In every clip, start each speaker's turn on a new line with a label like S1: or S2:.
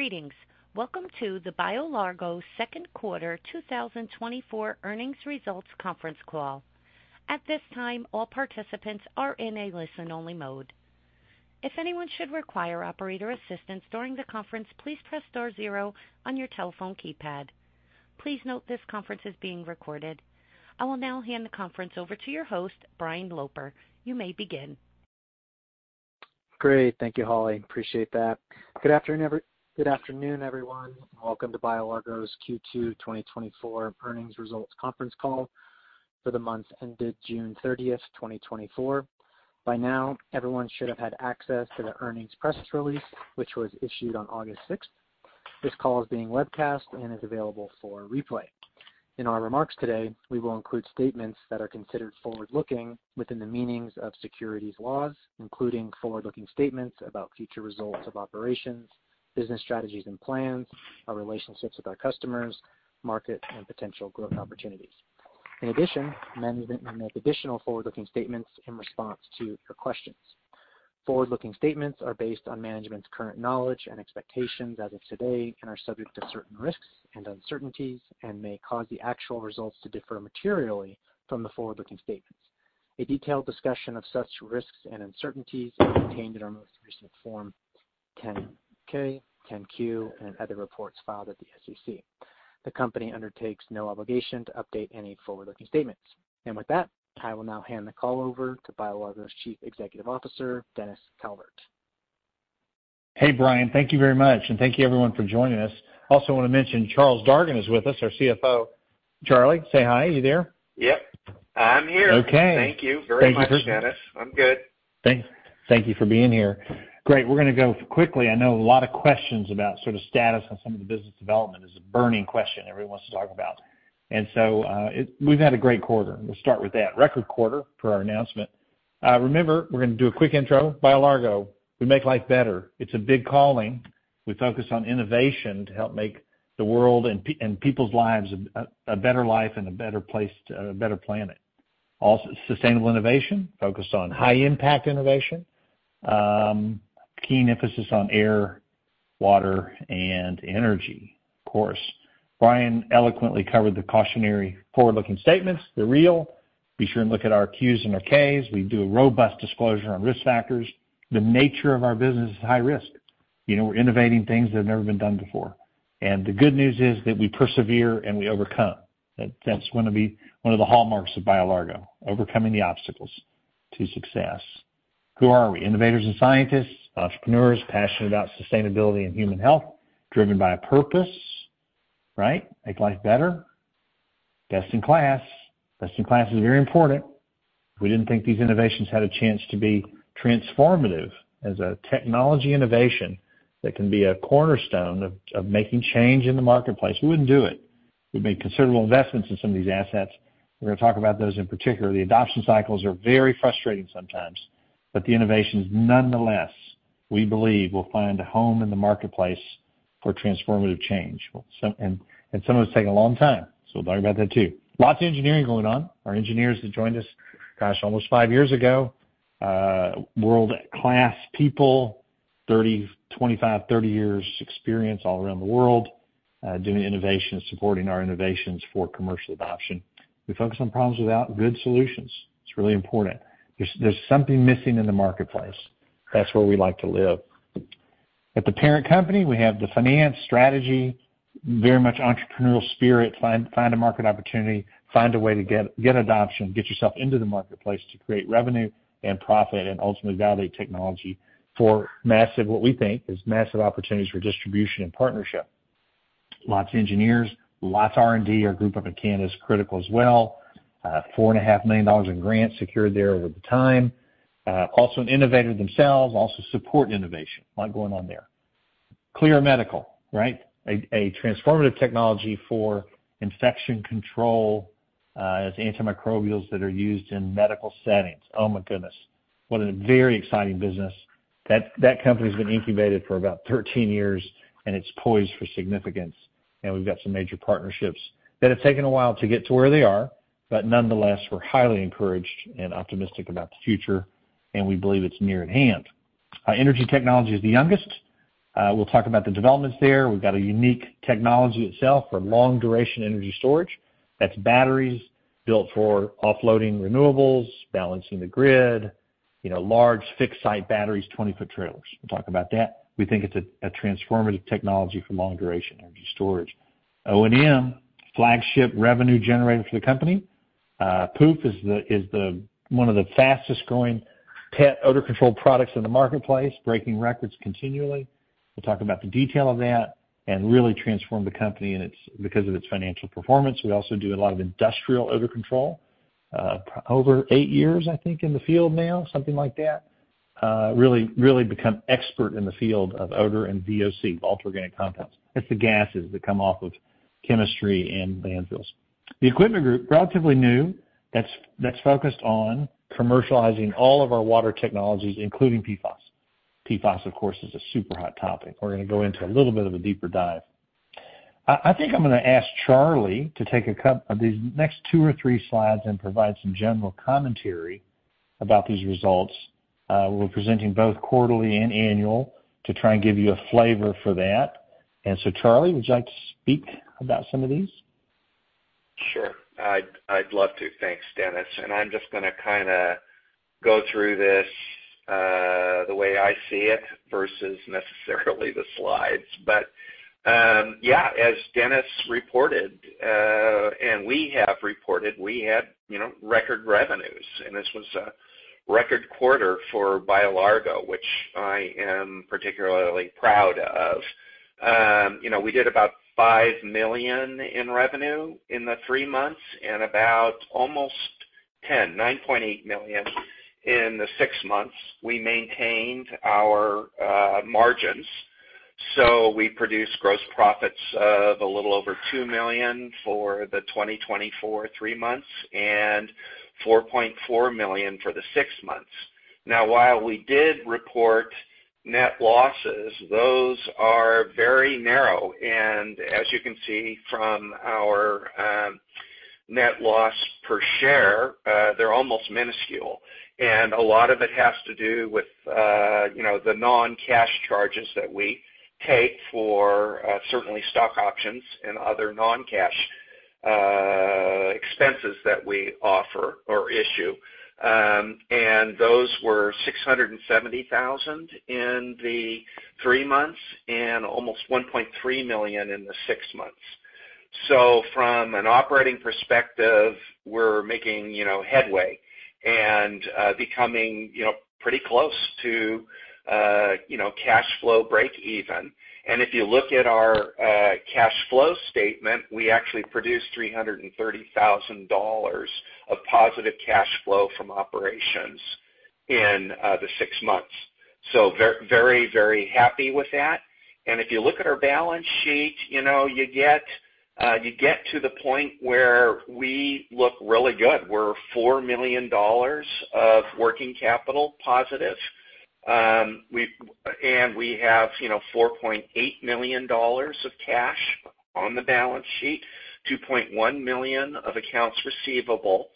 S1: Greetings! Welcome to the BioLargo Second Quarter 2024 Earnings Results Conference Call. At this time, all participants are in a listen-only mode. If anyone should require operator assistance during the conference, please press star zero on your telephone keypad. Please note this conference is being recorded. I will now hand the conference over to your host, Brian Loper. You may begin.
S2: Great. Thank you, Holly. Appreciate that. Good afternoon, everyone, and welcome to BioLargo's Q2 2024 Earnings Results Conference Call for the month ended June 30, 2024. By now, everyone should have had access to the earnings press release, which was issued on August 6. This call is being webcasted and is available for replay. In our remarks today, we will include statements that are considered forward-looking within the meanings of securities laws, including forward-looking statements about future results of operations, business strategies and plans, our relationships with our customers, market, and potential growth opportunities. In addition, management may make additional forward-looking statements in response to your questions. Forward-looking statements are based on management's current knowledge and expectations as of today and are subject to certain risks and uncertainties, and may cause the actual results to differ materially from the forward-looking statements. A detailed discussion of such risks and uncertainties is contained in our most recent Form 10-K, 10-Q, and other reports filed at the SEC. The company undertakes no obligation to update any forward-looking statements. With that, I will now hand the call over to BioLargo's Chief Executive Officer, Dennis Calvert.
S3: Hey, Brian, thank you very much, and thank you, everyone, for joining us. I also want to mention Charles Dargan is with us, our CFO. Charlie, say hi. Are you there?
S4: Yep, I'm here.
S3: Okay.
S4: Thank you very much, Dennis.
S3: Thank you for-
S4: I'm good.
S3: Thank you for being here. Great, we're gonna go quickly. I know a lot of questions about sort of status on some of the business development. It's a burning question everyone wants to talk about. And so, we've had a great quarter. We'll start with that. Record quarter for our announcement. Remember, we're gonna do a quick intro. BioLargo, we make life better. It's a big calling. We focus on innovation to help make the world and people's lives a better life and a better place to a better planet. Also, sustainable innovation, focused on high-impact innovation, keen emphasis on air, water, and energy. Of course, Brian eloquently covered the cautionary forward-looking statements. They're real. Be sure and look at our Qs and our Ks. We do a robust disclosure on risk factors. The nature of our business is high risk. You know, we're innovating things that have never been done before. The good news is that we persevere, and we overcome. That- that's gonna be one of the hallmarks of BioLargo, overcoming the obstacles to success. Who are we? Innovators and scientists, entrepreneurs, passionate about sustainability and human health, driven by a purpose, right? Make life better. Best in class. Best in class is very important. If we didn't think these innovations had a chance to be transformative as a technology innovation that can be a cornerstone of, of making change in the marketplace, we wouldn't do it. We've made considerable investments in some of these assets. We're gonna talk about those in particular. The adoption cycles are very frustrating sometimes, but the innovations, nonetheless, we believe, will find a home in the marketplace for transformative change. Well, some... Some of us take a long time, so we'll talk about that, too. Lots of engineering going on. Our engineers that joined us, gosh, almost 5 years ago, world-class people, 30, 25, 30 years experience all around the world, doing innovation and supporting our innovations for commercial adoption. We focus on problems without good solutions. It's really important. There's something missing in the marketplace. That's where we like to live. At the parent company, we have the finance strategy, very much entrepreneurial spirit. Find a market opportunity, find a way to get adoption, get yourself into the marketplace to create revenue and profit, and ultimately validate technology for massive, what we think is massive opportunities for distribution and partnership. Lots of engineers, lots of R&D. Our group up at Canada is critical as well. $4.5 million in grants secured there over the time. Also an innovator themselves, also support innovation. A lot going on there. Clyra Medical, right? A transformative technology for infection control, as antimicrobials that are used in medical settings. Oh, my goodness! What a very exciting business. That company's been incubated for about 13 years, and it's poised for significance. And we've got some major partnerships that have taken a while to get to where they are, but nonetheless, we're highly encouraged and optimistic about the future, and we believe it's near at hand. Our energy technology is the youngest. We'll talk about the developments there. We've got a unique technology itself for long-duration energy storage. That's batteries built for offloading renewables, balancing the grid, you know, large fixed-site batteries, 20-foot trailers. We'll talk about that. We think it's a transformative technology for long-duration energy storage. ONM, flagship revenue generator for the company. Pooph is the, is the, one of the fastest-growing pet odor control products in the marketplace, breaking records continually. We'll talk about the detail of that and really transform the company and its... Because of its financial performance. We also do a lot of industrial odor control. Over eight years, I think, in the field now, something like that. Really, really become expert in the field of odor and VOC, volatile organic compounds. That's the gases that come off of chemistry and landfills. The equipment group, relatively new, that's focused on commercializing all of our water technologies, including PFAS. PFAS, of course, is a super hot topic. We're gonna go into a little bit of a deeper dive.... I think I'm gonna ask Charlie to take a couple of these next two or three slides and provide some general commentary about these results. We're presenting both quarterly and annual to try and give you a flavor for that. So, Charlie, would you like to speak about some of these?
S4: Sure, I'd love to. Thanks, Dennis. And I'm just gonna kinda go through this, the way I see it versus necessarily the slides. But, yeah, as Dennis reported, and we have reported, we had, you know, record revenues, and this was a record quarter for BioLargo, which I am particularly proud of. You know, we did about $5 million in revenue in the three months, and about almost 10, $9.8 million in the six months. We maintained our margins, so we produced gross profits of a little over $2 million for the 2024 three months, and $4.4 million for the six months. Now, while we did report net losses, those are very narrow, and as you can see from our net loss per share, they're almost minuscule. A lot of it has to do with, you know, the non-cash charges that we take for, certainly stock options and other non-cash, expenses that we offer or issue. Those were $670,000 in the three months and almost $1.3 million in the six months. So from an operating perspective, we're making, you know, headway and becoming, you know, pretty close to, you know, cash flow breakeven. And if you look at our cash flow statement, we actually produced $330,000 of positive cash flow from operations in the six months. So very, very happy with that. And if you look at our balance sheet, you know, you get, you get to the point where we look really good. We're $4 million of working capital positive. We have, you know, $4.8 million of cash on the balance sheet, $2.1 million of accounts receivable.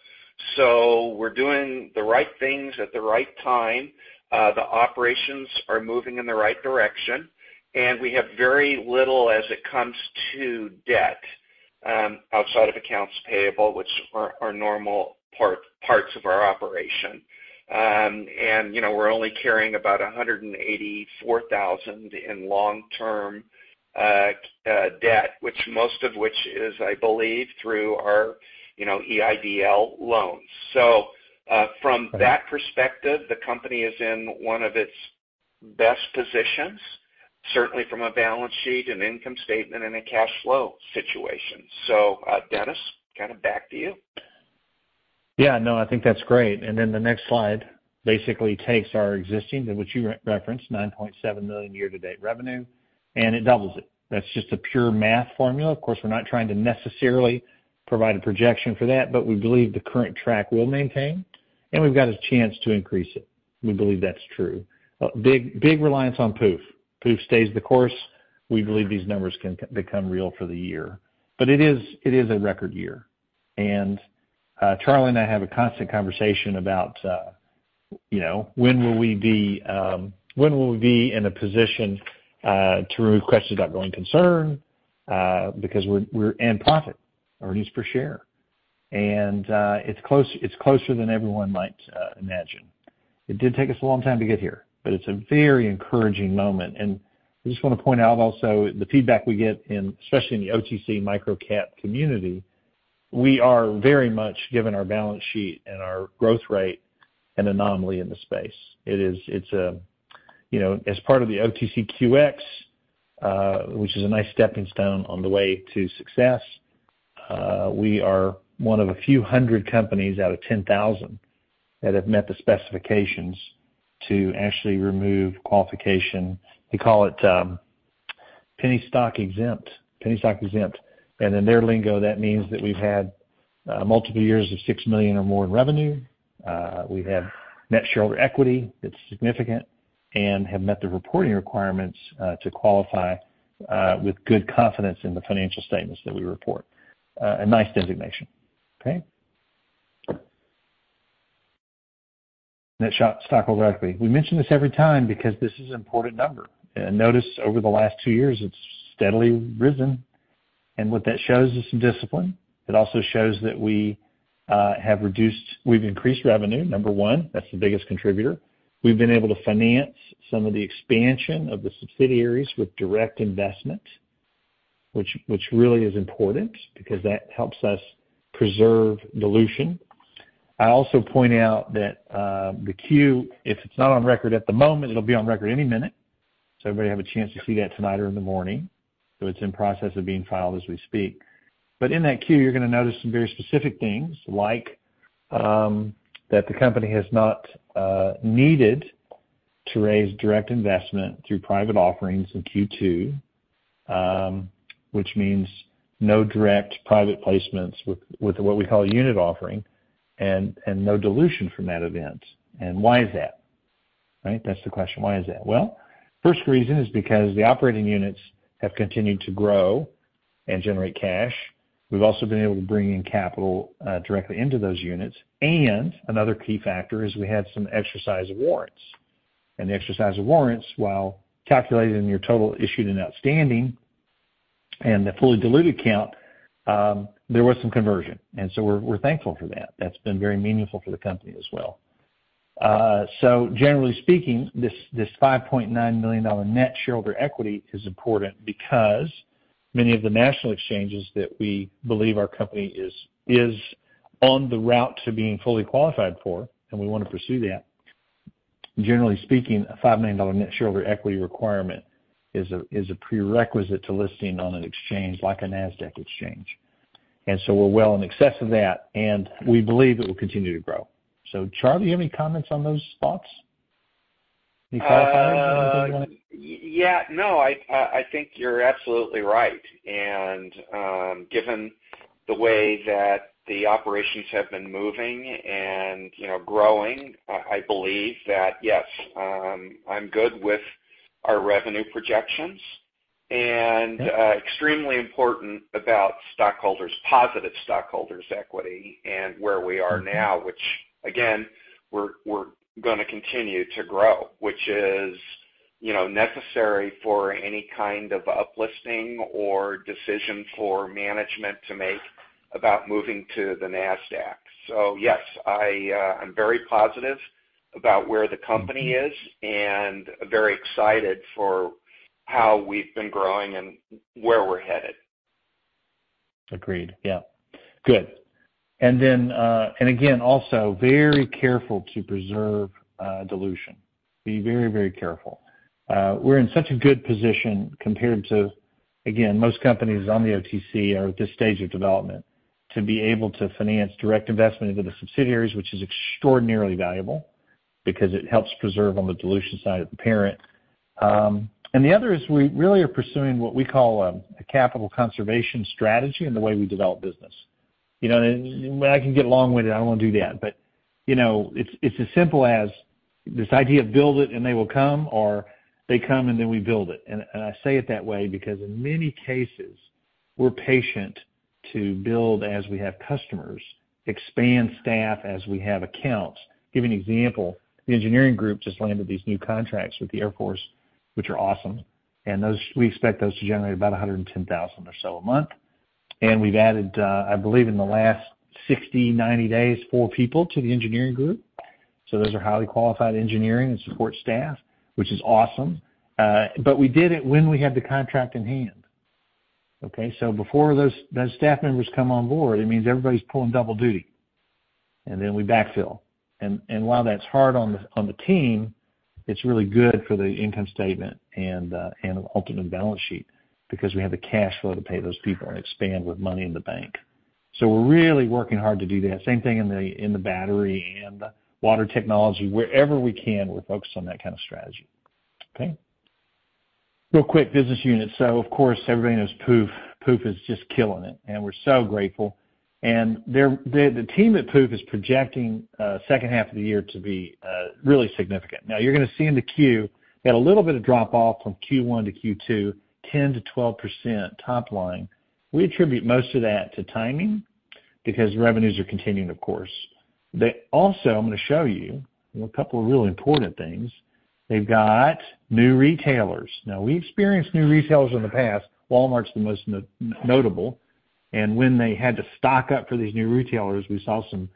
S4: So we're doing the right things at the right time. The operations are moving in the right direction, and we have very little as it comes to debt, outside of accounts payable, which are normal parts of our operation. And, you know, we're only carrying about $184,000 in long-term debt, most of which is, I believe, through our, you know, EIDL loans. So, from that perspective, the company is in one of its best positions, certainly from a balance sheet and income statement and a cash flow situation. So, Dennis, kind of back to you.
S3: Yeah, no, I think that's great. And then the next slide basically takes our existing, that which you referenced, $9.7 million year-to-date revenue, and it doubles it. That's just a pure math formula. Of course, we're not trying to necessarily provide a projection for that, but we believe the current track will maintain, and we've got a chance to increase it. We believe that's true. Big, big reliance on Pooph. Pooph stays the course, we believe these numbers can become real for the year. But it is, it is a record year. And, Charlie and I have a constant conversation about, you know, when will we be, when will we be in a position, to remove questions about going concern, because we're, we're in profit, earnings per share. And, it's close-- it's closer than everyone might, imagine. It did take us a long time to get here, but it's a very encouraging moment. And I just wanna point out also, the feedback we get in, especially in the OTC microcap community, we are very much, given our balance sheet and our growth rate, an anomaly in the space. It is. It's, you know, as part of the OTCQX, which is a nice stepping stone on the way to success, we are one of a few hundred companies out of 10,000 that have met the specifications to actually remove qualification. We call it, penny stock exempt. Penny stock exempt. And in their lingo, that means that we've had, multiple years of $6 million or more in revenue. We have net shareholder equity that's significant and have met the reporting requirements to qualify with good confidence in the financial statements that we report. A nice designation. Okay. Net shareholder equity. We mention this every time because this is an important number. Notice over the last two years, it's steadily risen, and what that shows is some discipline. It also shows that we have increased revenue, number one, that's the biggest contributor. We've been able to finance some of the expansion of the subsidiaries with direct investment, which really is important because that helps us preserve dilution. I also point out that the 10-Q, if it's not on record at the moment, it'll be on record any minute, so everybody have a chance to see that tonight or in the morning. So it's in process of being filed as we speak. But in that Q, you're gonna notice some very specific things, like, that the company has not needed to raise direct investment through private offerings in Q2, which means no direct private placements with what we call a unit offering, and no dilution from that event. And why is that?... Right? That's the question. Why is that? Well, first reason is because the operating units have continued to grow and generate cash. We've also been able to bring in capital directly into those units. And another key factor is we had some exercise of warrants. And the exercise of warrants, while calculated in your total issued and outstanding, and the fully diluted count, there was some conversion, and so we're thankful for that. That's been very meaningful for the company as well. So generally speaking, this $5.9 million net shareholder equity is important because many of the national exchanges that we believe our company is on the route to being fully qualified for, and we wanna pursue that. Generally speaking, a $5 million net shareholder equity requirement is a prerequisite to listing on an exchange like a NASDAQ exchange. And so we're well in excess of that, and we believe it will continue to grow. So Charlie, you have any comments on those thoughts? Any qualifiers or anything you wanna-
S4: Yeah, no, I think you're absolutely right. And, given the way that the operations have been moving and, you know, growing, I believe that, yes, I'm good with our revenue projections.
S3: Yeah.
S4: Extremely important about stockholders' equity and where we are now, which again, we're gonna continue to grow, which is, you know, necessary for any kind of uplisting or decision for management to make about moving to the NASDAQ. So yes, I, I'm very positive about where the company is and very excited for how we've been growing and where we're headed.
S3: Agreed. Yeah. Good. And then, and again, also very careful to preserve dilution. Be very, very careful. We're in such a good position compared to, again, most companies on the OTC or at this stage of development, to be able to finance direct investment into the subsidiaries, which is extraordinarily valuable because it helps preserve on the dilution side of the parent. And the other is we really are pursuing what we call a capital conservation strategy in the way we develop business. You know, and I can get long-winded, I don't wanna do that. But, you know, it's, it's as simple as this idea of build it and they will come, or they come, and then we build it. And, and I say it that way because in many cases, we're patient to build as we have customers, expand staff as we have accounts. Give you an example, the engineering group just landed these new contracts with the Air Force, which are awesome, and those. We expect those to generate about $110,000 or so a month. And we've added, I believe, in the last 60-90 days, four people to the engineering group. So those are highly qualified engineering and support staff, which is awesome. But we did it when we had the contract in hand, okay? So before those staff members come on board, it means everybody's pulling double duty, and then we backfill. And, and while that's hard on the, on the team, it's really good for the income statement and, and the ultimate balance sheet because we have the cash flow to pay those people and expand with money in the bank. So we're really working hard to do that. Same thing in the battery and water technology. Wherever we can, we're focused on that kind of strategy. Okay. Real quick, business units. So of course, everybody knows Pooph. Pooph is just killing it, and we're so grateful. And they're the team at Pooph is projecting second half of the year to be really significant. Now, you're gonna see in the Q, we had a little bit of drop off from Q1 to Q2, 10%-12% top line. We attribute most of that to timing, because revenues are continuing, of course. They also, I'm gonna show you a couple of really important things. They've got new retailers. Now, we've experienced new retailers in the past. Walmart's the most notable, and when they had to stock up for these new retailers, we saw some,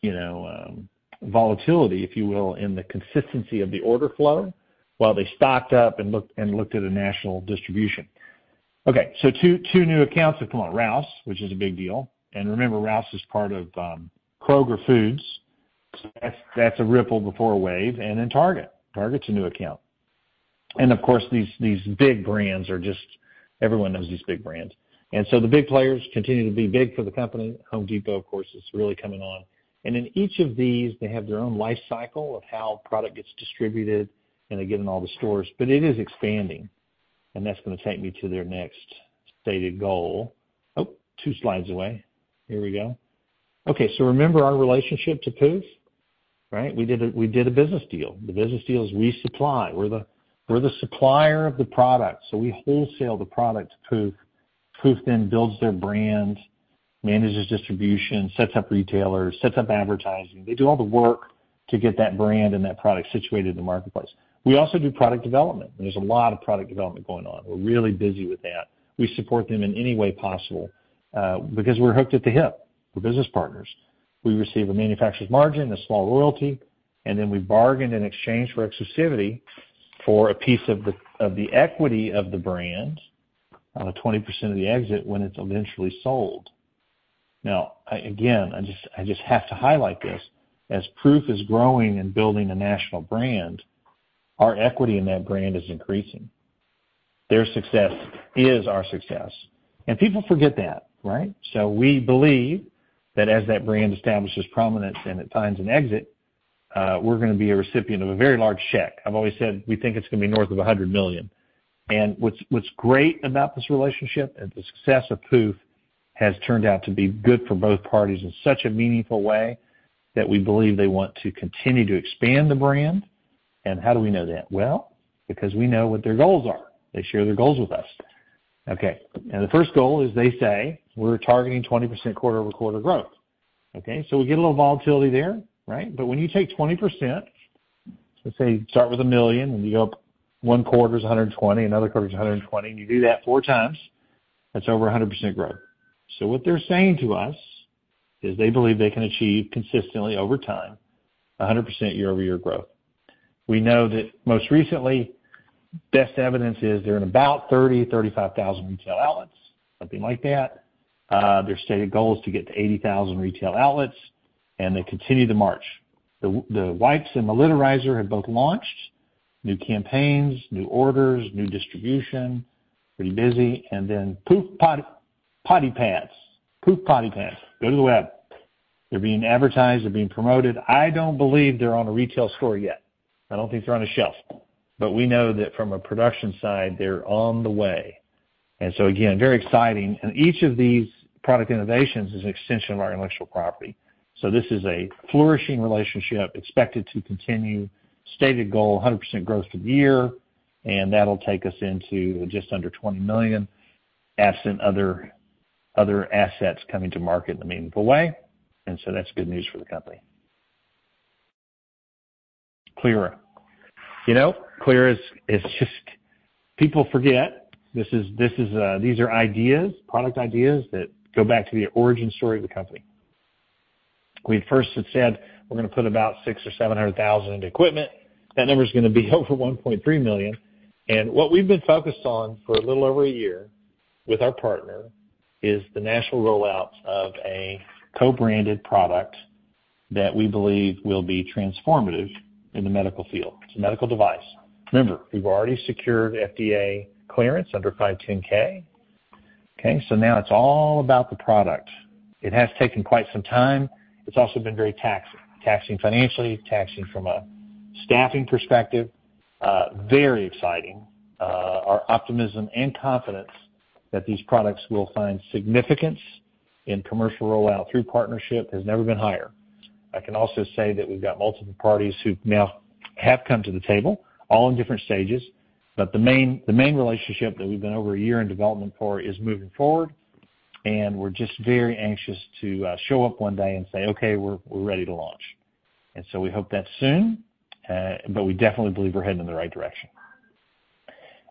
S3: you know, volatility, if you will, in the consistency of the order flow while they stocked up and looked, and looked at a national distribution. Okay, so 2, 2 new accounts that come on, Rouses, which is a big deal. And remember, Rouses is part of Kroger Foods. So that's, that's a ripple before a wave. And then Target. Target's a new account. And of course, these, these big brands are just... Everyone knows these big brands. And so the big players continue to be big for the company. Home Depot, of course, is really coming on. In each of these, they have their own life cycle of how product gets distributed, and they get in all the stores, but it is expanding, and that's gonna take me to their next stated goal. Oh, two slides away. Here we go. Okay, so remember our relationship to Pooph, right? We did a business deal. The business deal is we supply. We're the supplier of the product, so we wholesale the product to Pooph. Pooph then builds their brand, manages distribution, sets up retailers, sets up advertising. They do all the work to get that brand and that product situated in the marketplace. We also do product development, and there's a lot of product development going on. We're really busy with that. We support them in any way possible, because we're hooked at the hip. We're business partners. We receive a manufacturer's margin, a small royalty, and then we bargained in exchange for exclusivity for a piece of the, of the equity of the brand, twenty percent of the exit when it's eventually sold. Now, I... Again, I just, I just have to highlight this. As Pooph is growing and building a national brand, our equity in that brand is increasing. Their success is our success, and people forget that, right? So we believe that as that brand establishes prominence and it finds an exit, we're gonna be a recipient of a very large check. I've always said we think it's gonna be north of $100 million. And what's, what's great about this relationship, and the success of Pooph, has turned out to be good for both parties in such a meaningful way, that we believe they want to continue to expand the brand. How do we know that? Well, because we know what their goals are. They share their goals with us. Okay, and the first goal is they say, "We're targeting 20% quarter-over-quarter growth." Okay, so we get a little volatility there, right? When you take 20%, let's say you start with 1 million, and you go up one quarter is 120, another quarter is 120, and you do that 4 times, that's over 100% growth. What they're saying to us is they believe they can achieve consistently over time, 100% year-over-year growth. We know that most recently, best evidence is they're in about 30,000-35,000 retail outlets, something like that. Their stated goal is to get to 80,000 retail outlets, and they continue to march. The wipes and the Litterizer have both launched. New campaigns, new orders, new distribution, pretty busy. And then Pooph Potty Pads. Pooph Potty Pads, go to the web. They're being advertised, they're being promoted. I don't believe they're on a retail store yet. I don't think they're on a shelf, but we know that from a production side, they're on the way. And so again, very exciting. And each of these product innovations is an extension of our intellectual property. So this is a flourishing relationship, expected to continue. Stated goal, 100% growth for the year, and that'll take us into just under $20 million, absent other assets coming to market in a meaningful way. And so that's good news for the company. Clyra. You know, Clyra is, it's just... People forget, this is, this is, these are ideas, product ideas that go back to the origin story of the company. We first had said, "We're gonna put about $600,000 or $700,000 into equipment." That number is gonna be over $1.3 million. And what we've been focused on for a little over a year with our partner, is the national rollout of a co-branded product that we believe will be transformative in the medical field. It's a medical device. Remember, we've already secured FDA clearance under 510(k). Okay, so now it's all about the product. It has taken quite some time. It's also been very taxing. Taxing financially, taxing from a staffing perspective, very exciting. Our optimism and confidence that these products will find significance in commercial rollout through partnership, has never been higher. I can also say that we've got multiple parties who now have come to the table, all in different stages, but the main, the main relationship that we've been over a year in development for, is moving forward, and we're just very anxious to show up one day and say, "Okay, we're, we're ready to launch." And so we hope that's soon, but we definitely believe we're heading in the right direction.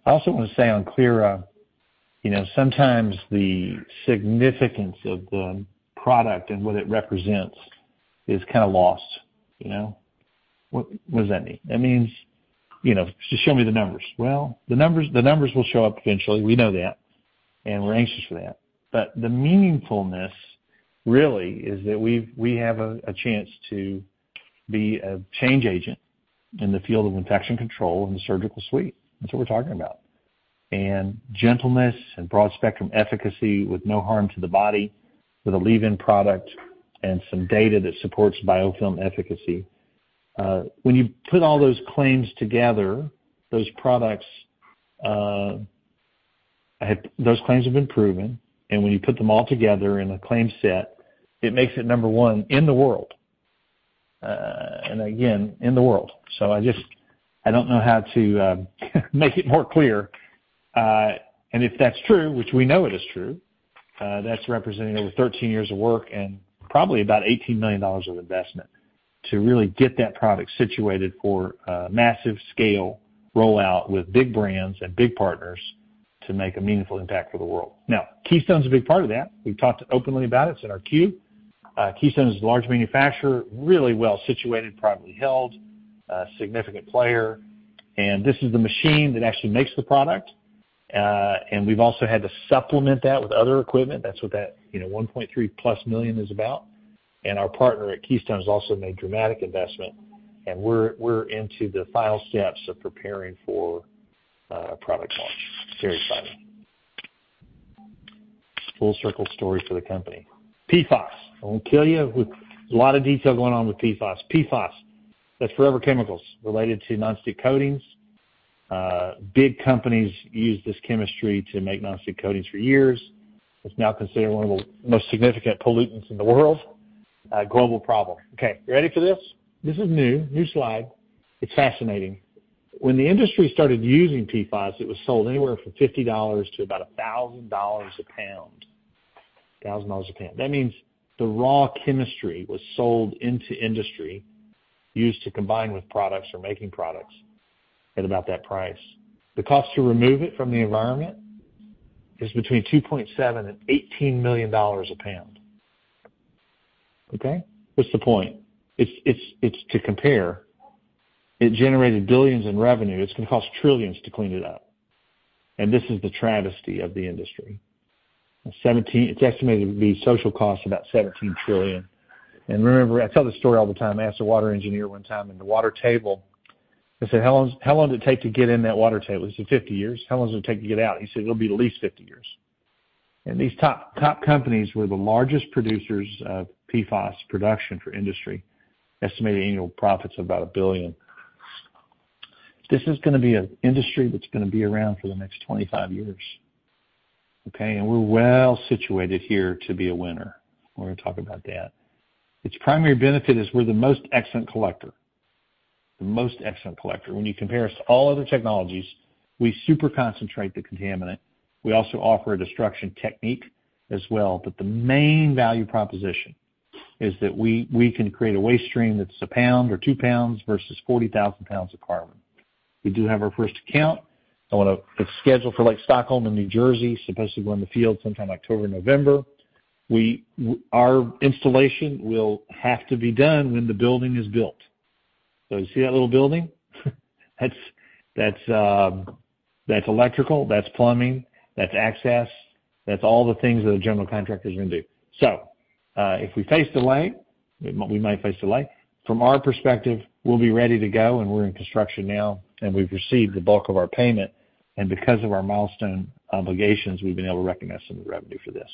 S3: I also want to say on Clyra, you know, sometimes the significance of the product and what it represents is kind of lost. You know? What, what does that mean? That means, you know, just show me the numbers. Well, the numbers, the numbers will show up eventually. We know that, and we're anxious for that. But the meaningfulness, really, is that we have a chance to be a change agent in the field of infection control in the surgical suite. That's what we're talking about. And gentleness and broad spectrum efficacy with no harm to the body, with a leave-in product and some data that supports biofilm efficacy. When you put all those claims together, those claims have been proven, and when you put them all together in a claim set, it makes it number one in the world, and again, in the world. So I just... I don't know how to make it more clear. and if that's true, which we know it is true, that's representing over 13 years of work and probably about $18 million of investment to really get that product situated for a massive scale rollout with big brands and big partners to make a meaningful impact for the world. Now, Keystone is a big part of that. We've talked openly about it. It's in our queue. Keystone is a large manufacturer, really well situated, privately held, significant player, and this is the machine that actually makes the product. And we've also had to supplement that with other equipment. That's what that, you know, $1.3+ million is about. And our partner at Keystone has also made dramatic investment, and we're into the final steps of preparing for product launch. Very exciting. Full circle story for the company. PFAS. I won't tell you a lot of detail going on with PFAS. PFAS, that's forever chemicals related to non-stick coatings. Big companies use this chemistry to make non-stick coatings for years. It's now considered one of the most significant pollutants in the world, a global problem. Okay, you ready for this? This is new. New slide. It's fascinating. When the industry started using PFAS, it was sold anywhere from $50 to about $1,000 a pound. $1,000 a pound. That means the raw chemistry was sold into industry, used to combine with products or making products, at about that price. The cost to remove it from the environment is between $2.7 million and $18 million a pound. Okay? What's the point? It's, it's, it's to compare. It generated $ billions in revenue. It's gonna cost trillions to clean it up, and this is the travesty of the industry. It's estimated to be social costs, about $17 trillion. And remember, I tell this story all the time. I asked a water engineer one time, in the water table, I said: "How long, how long did it take to get in that water table?" He said, "50 years." "How long does it take to get out?" He said: "It'll be at least 50 years." And these top, top companies were the largest producers of PFAS production for industry, estimated annual profits of about $1 billion. This is gonna be an industry that's gonna be around for the next 25 years, okay? And we're well situated here to be a winner. We're gonna talk about that. Its primary benefit is we're the most excellent collector, the most excellent collector. When you compare us to all other technologies, we super concentrate the contaminant. We also offer a destruction technique as well. But the main value proposition is that we can create a waste stream that's a pound or two pounds versus 40,000 pounds of carbon. We do have our first account. I wanna. It's scheduled for, like, Stockholm in New Jersey, supposed to go in the field sometime October, November. Our installation will have to be done when the building is built. So you see that little building? That's electrical, that's plumbing, that's access, that's all the things that a general contractor is gonna do. So, if we face delay, we might face delay. From our perspective, we'll be ready to go, and we're in construction now, and we've received the bulk of our payment, and because of our milestone obligations, we've been able to recognize some revenue for this.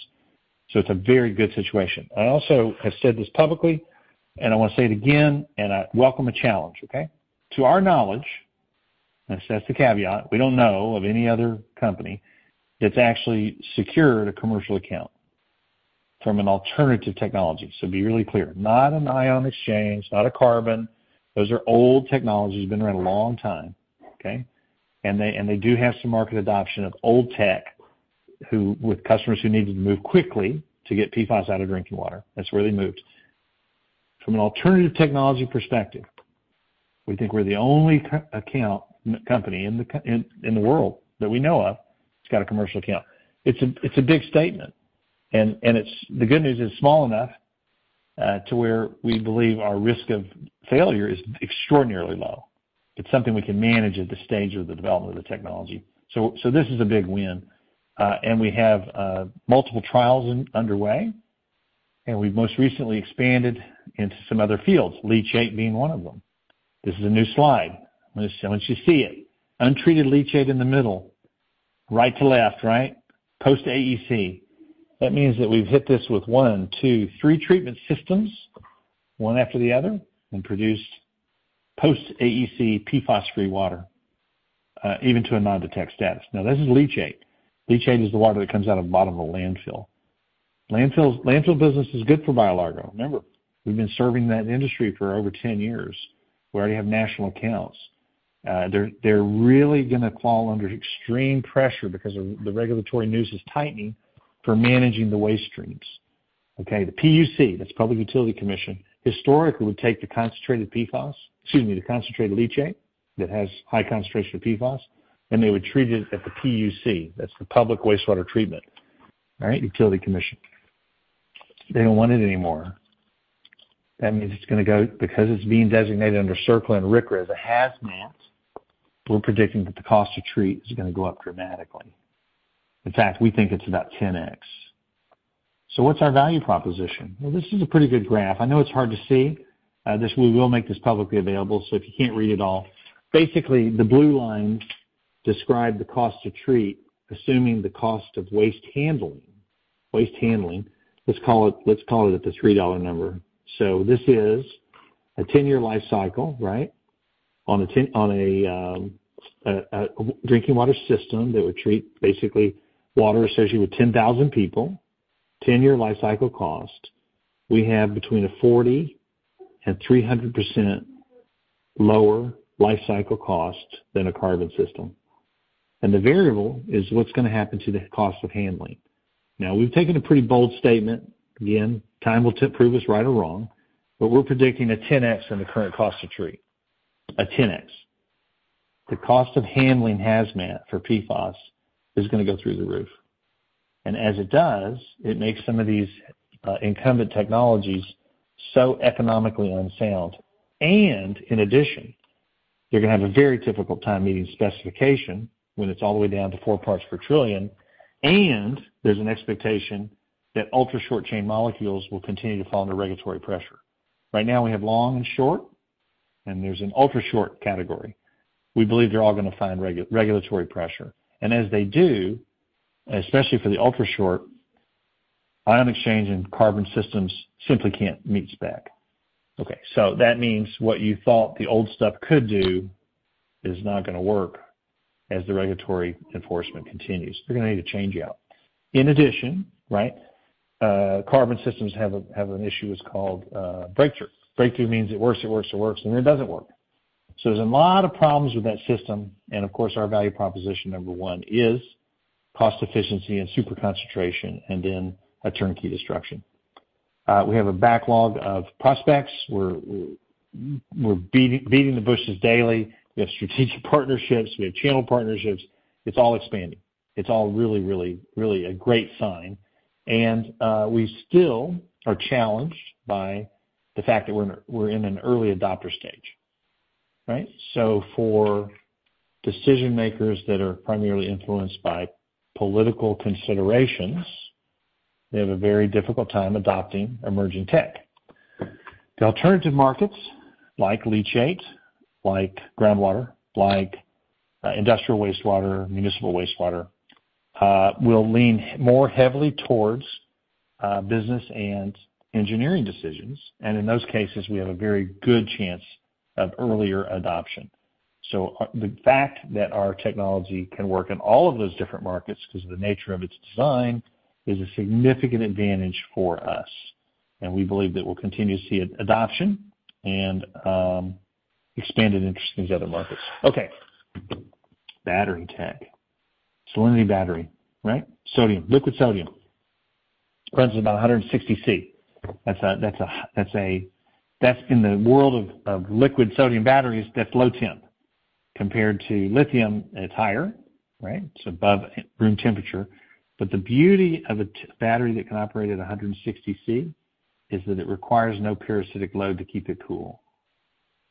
S3: So it's a very good situation. I also have said this publicly, and I wanna say it again, and I welcome a challenge, okay? To our knowledge, and that's the caveat, we don't know of any other company that's actually secured a commercial account from an alternative technology. So be really clear, not an ion exchange, not a carbon. Those are old technologies, been around a long time, okay? And they, and they do have some market adoption of old tech, with customers who needed to move quickly to get PFAS out of drinking water. That's where they moved. From an alternative technology perspective, we think we're the only company in the world that we know of that's got a commercial account. It's a big statement, and it's the good news, it's small enough to where we believe our risk of failure is extraordinarily low. It's something we can manage at this stage of the development of the technology. So this is a big win. And we have multiple trials underway, and we've most recently expanded into some other fields, leachate being one of them. This is a new slide. I want you to see it. Untreated leachate in the middle, right to left, right, post AEC. That means that we've hit this with one, two, three treatment systems, one after the other, and produced post AEC PFAS-free water, even to a non-detect status. Now, this is leachate. Leachate is the water that comes out of the bottom of a landfill. Landfills. Landfill business is good for BioLargo. Remember, we've been serving that industry for over 10 years. We already have national accounts. They're really gonna fall under extreme pressure because of the regulatory noose is tightening for managing the waste streams, okay? The PUC, that's Public Utility Commission, historically would take the concentrated PFAS, excuse me, the concentrated leachate that has high concentration of PFAS, and they would treat it at the PUC. That's the public wastewater treatment, all right? Utility Commission. They don't want it anymore. That means it's gonna go, because it's being designated under CERCLA and RCRA as a hazmat, we're predicting that the cost to treat is gonna go up dramatically. In fact, we think it's about 10x. So what's our value proposition? Well, this is a pretty good graph. I know it's hard to see. This, we will make this publicly available, so if you can't read it all. Basically, the blue lines describe the cost to treat, assuming the cost of waste handling. Waste handling, let's call it, let's call it at the $3 number. So this is a 10-year life cycle, right? On a drinking water system that would treat basically water associated with 10,000 people, 10-year life cycle cost, we have between 40% and 300% lower life cycle cost than a carbon system. And the variable is what's gonna happen to the cost of handling. Now, we've taken a pretty bold statement. Again, time will prove us right or wrong, but we're predicting a 10x in the current cost to treat, a 10x. The cost of handling hazmat for PFAS is gonna go through the roof, and as it does, it makes some of these incumbent technologies so economically unsound. And in addition, they're gonna have a very difficult time meeting specification when it's all the way down to 4 parts per trillion, and there's an expectation that ultra-short chain molecules will continue to fall under regulatory pressure. Right now, we have long and short, and there's an ultra-short category. We believe they're all gonna find regulatory pressure. And as they do, especially for the ultra-short, ion exchange and carbon systems simply can't meet spec. Okay, so that means what you thought the old stuff could do is not gonna work as the regulatory enforcement continues. They're gonna need a changeout. In addition, right, carbon systems have a, have an issue that's called, breakthrough. Breakthrough means it works, it works, it works, and it doesn't work. So there's a lot of problems with that system, and of course, our value proposition number one is cost efficiency and super concentration, and then a turnkey destruction. We have a backlog of prospects. We're, we're, we're beating, beating the bushes daily. We have strategic partnerships. We have channel partnerships. It's all expanding. It's all really, really, really a great sign, and, we still are challenged by the fact that we're in, we're in an early adopter stage, right? So for decision-makers that are primarily influenced by political considerations-... They have a very difficult time adopting emerging tech. The alternative markets, like leachate, like groundwater, like industrial wastewater, municipal wastewater, will lean more heavily towards business and engineering decisions. And in those cases, we have a very good chance of earlier adoption. So the fact that our technology can work in all of those different markets, 'cause of the nature of its design, is a significant advantage for us, and we believe that we'll continue to see adoption and expanded interest in these other markets. Okay, battery tech. Cellinity battery, right? Sodium, liquid sodium. Runs about 160 degrees Celsius. That's a high-- that's in the world of liquid sodium batteries, that's low temp. Compared to lithium, it's higher, right? It's above room temperature. But the beauty of a battery that can operate at 160 degrees Celsius is that it requires no parasitic load to keep it cool.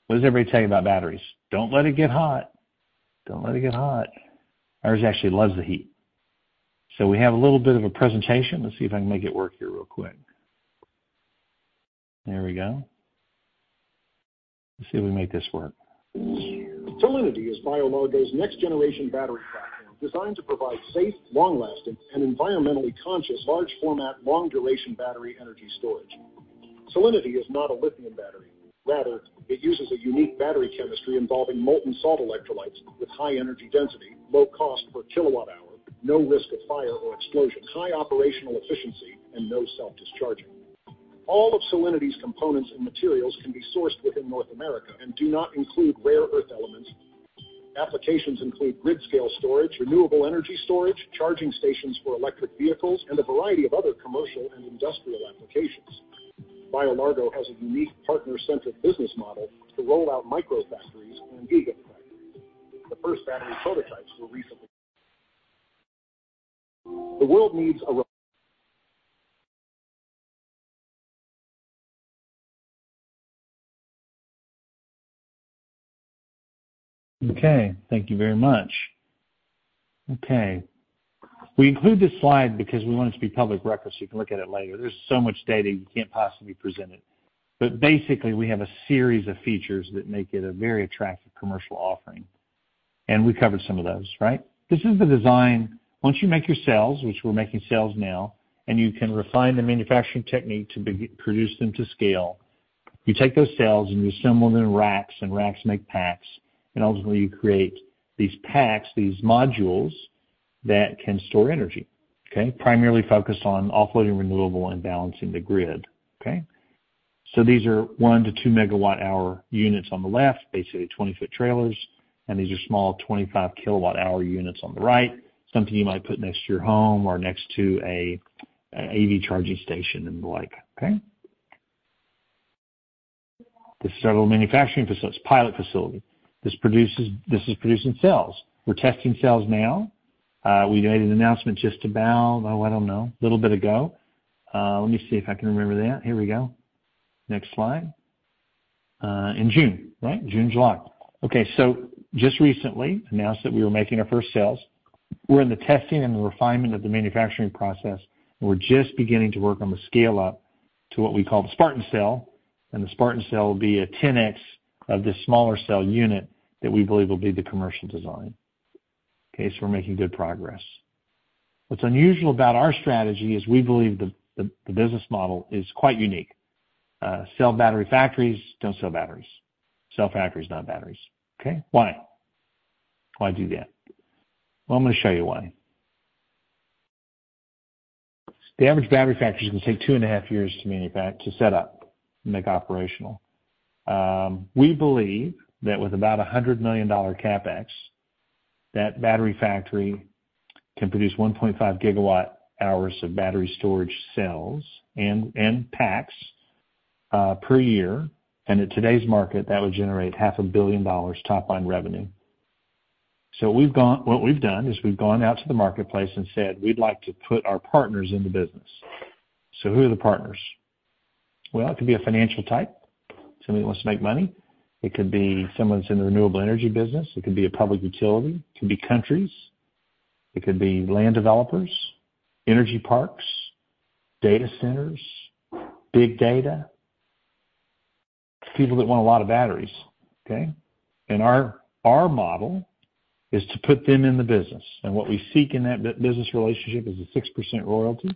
S3: What does everybody tell you about batteries? Don't let it get hot. Don't let it get hot. Ours actually loves the heat. So we have a little bit of a presentation. Let's see if I can make it work here real quick. There we go. Let's see if we can make this work.
S5: Cellinity is BioLargo's next generation battery platform, designed to provide safe, long-lasting, and environmentally conscious, large format, long-duration battery energy storage. Cellinity is not a lithium battery. Rather, it uses a unique battery chemistry involving molten salt electrolytes with high energy density, low cost per kilowatt hour, no risk of fire or explosion, high operational efficiency, and no self-discharging. All of Cellinity's components and materials can be sourced within North America and do not include rare earth elements. Applications include grid scale storage, renewable energy storage, charging stations for electric vehicles, and a variety of other commercial and industrial applications. BioLargo has a unique partner-centric business model to roll out micro factories and gigafactories. The first battery prototypes were recently... The world needs a-
S3: Okay, thank you very much. Okay. We include this slide because we want it to be public record, so you can look at it later. There's so much data you can't possibly present it. But basically, we have a series of features that make it a very attractive commercial offering, and we covered some of those, right? This is the design. Once you make your cells, which we're making cells now, and you can refine the manufacturing technique to produce them to scale, you take those cells and you assemble them in racks, and racks make packs, and ultimately, you create these packs, these modules, that can store energy, okay? Primarily focused on offloading renewable and balancing the grid, okay? So these are 1-2 MWh units on the left, basically 20-foot trailers, and these are small 25 kWh units on the right, something you might put next to your home or next to a, an EV charging station and the like, okay? This is our manufacturing facility, pilot facility. This produces. This is producing cells. We're testing cells now. We made an announcement just about, oh, I don't know, a little bit ago. Let me see if I can remember that. Here we go. Next slide. In June, right? June, July. Okay, so just recently announced that we were making our first cells. We're in the testing and the refinement of the manufacturing process, and we're just beginning to work on the scale-up to what we call the Spartan cell, and the Spartan cell will be a 10x of this smaller cell unit that we believe will be the commercial design. Okay, so we're making good progress. What's unusual about our strategy is we believe the business model is quite unique. Sell battery factories, don't sell batteries, sell factories, not batteries. Okay, why? Why do that? Well, I'm going to show you why. The average battery factory is gonna take 2.5 years to set up and make operational. We believe that with about a $100 million CapEx, that battery factory can produce 1.5 gigawatt hours of battery storage cells and packs per year. In today's market, that would generate $500 million top-line revenue. So what we've done is we've gone out to the marketplace and said, "We'd like to put our partners in the business." So who are the partners? Well, it could be a financial type, somebody who wants to make money. It could be someone's in the renewable energy business. It could be a public utility. It could be countries, it could be land developers, energy parks, data centers, big data, people that want a lot of batteries, okay? And our model is to put them in the business, and what we seek in that business relationship is a 6% royalty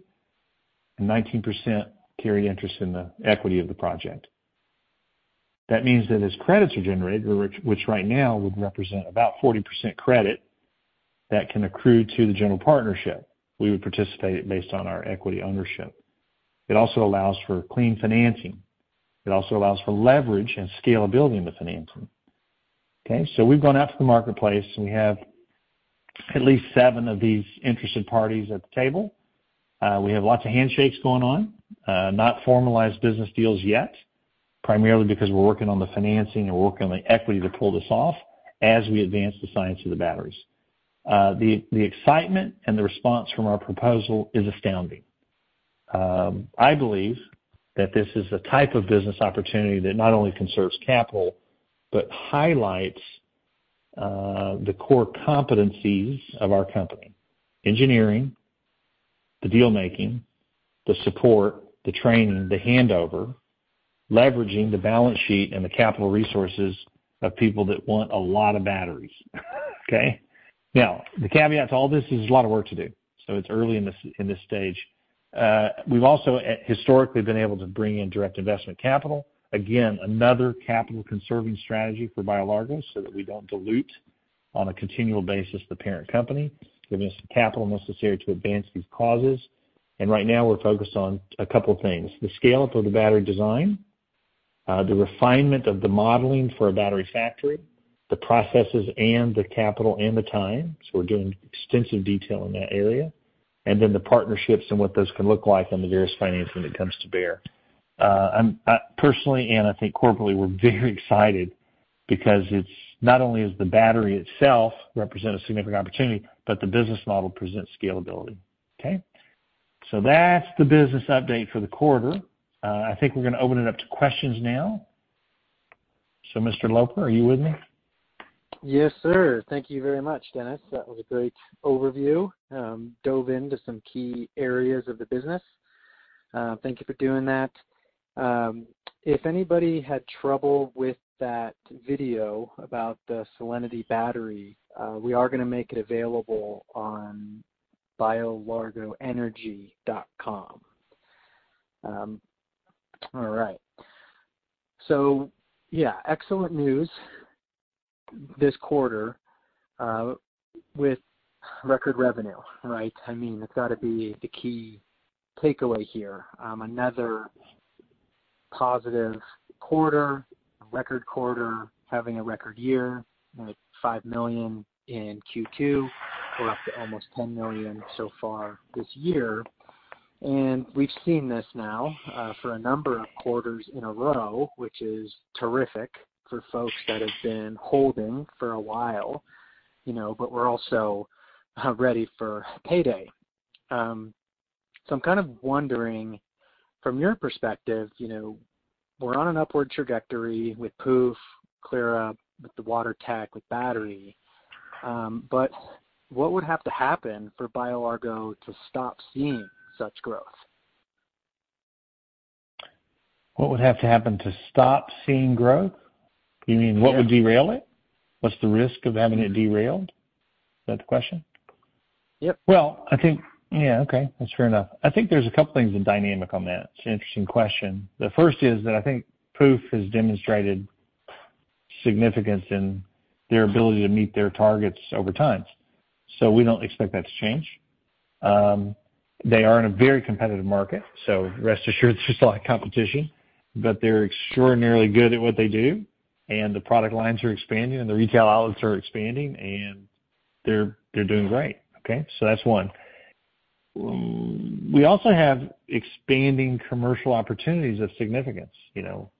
S3: and 19% carried interest in the equity of the project. That means that as credits are generated, which right now would represent about 40% credit, that can accrue to the general partnership. We would participate based on our equity ownership. It also allows for clean financing. It also allows for leverage and scalability in the financing. Okay, so we've gone out to the marketplace, and we have at least seven of these interested parties at the table. We have lots of handshakes going on, not formalized business deals yet, primarily because we're working on the financing and we're working on the equity to pull this off as we advance the science of the batteries. The excitement and the response from our proposal is astounding. I believe that this is the type of business opportunity that not only conserves capital, but highlights-... The core competencies of our company: engineering, the deal making, the support, the training, the handover, leveraging the balance sheet and the capital resources of people that want a lot of batteries. Okay? Now, the caveat to all this is there's a lot of work to do, so it's early in this, in this stage. We've also historically been able to bring in direct investment capital. Again, another capital conserving strategy for BioLargo, so that we don't dilute on a continual basis the parent company. Give us the capital necessary to advance these causes. And right now, we're focused on a couple things: the scale-up of the battery design, the refinement of the modeling for a battery factory, the processes and the capital and the time, so we're doing extensive detail in that area, and then the partnerships and what those can look like on the various financing that comes to bear. I'm personally, and I think corporately, we're very excited because it's not only is the battery itself represent a significant opportunity, but the business model presents scalability, okay? So that's the business update for the quarter. I think we're gonna open it up to questions now. So Mr. Loper, are you with me?
S2: Yes, sir. Thank you very much, Dennis. That was a great overview. Dove into some key areas of the business. Thank you for doing that. If anybody had trouble with that video about the Cellinity battery, we are gonna make it available on biolargoenergy.com. All right. So yeah, excellent news this quarter, with record revenue, right? I mean, it's gotta be the key takeaway here. Another positive quarter, a record quarter, having a record year, with $5 million in Q2. We're up to almost $10 million so far this year. And we've seen this now, for a number of quarters in a row, which is terrific for folks that have been holding for a while, you know, but we're also ready for payday. I'm kind of wondering, from your perspective, you know, we're on an upward trajectory with Pooph, Clyra, with the water tech, with battery, but what would have to happen for BioLargo to stop seeing such growth?
S3: What would have to happen to stop seeing growth? You mean-
S2: Yeah.
S3: What would derail it? What's the risk of having it derailed? Is that the question?
S2: Yep.
S3: Well, I think. Yeah, okay, that's fair enough. I think there's a couple things in dynamic on that. It's an interesting question. The first is that I think Pooph has demonstrated significance in their ability to meet their targets over time, so we don't expect that to change. They are in a very competitive market, so rest assured, there's a lot of competition, but they're extraordinarily good at what they do, and the product lines are expanding, and the retail outlets are expanding, and they're, they're doing great, okay? So that's one. We also have expanding commercial opportunities of significance, you know,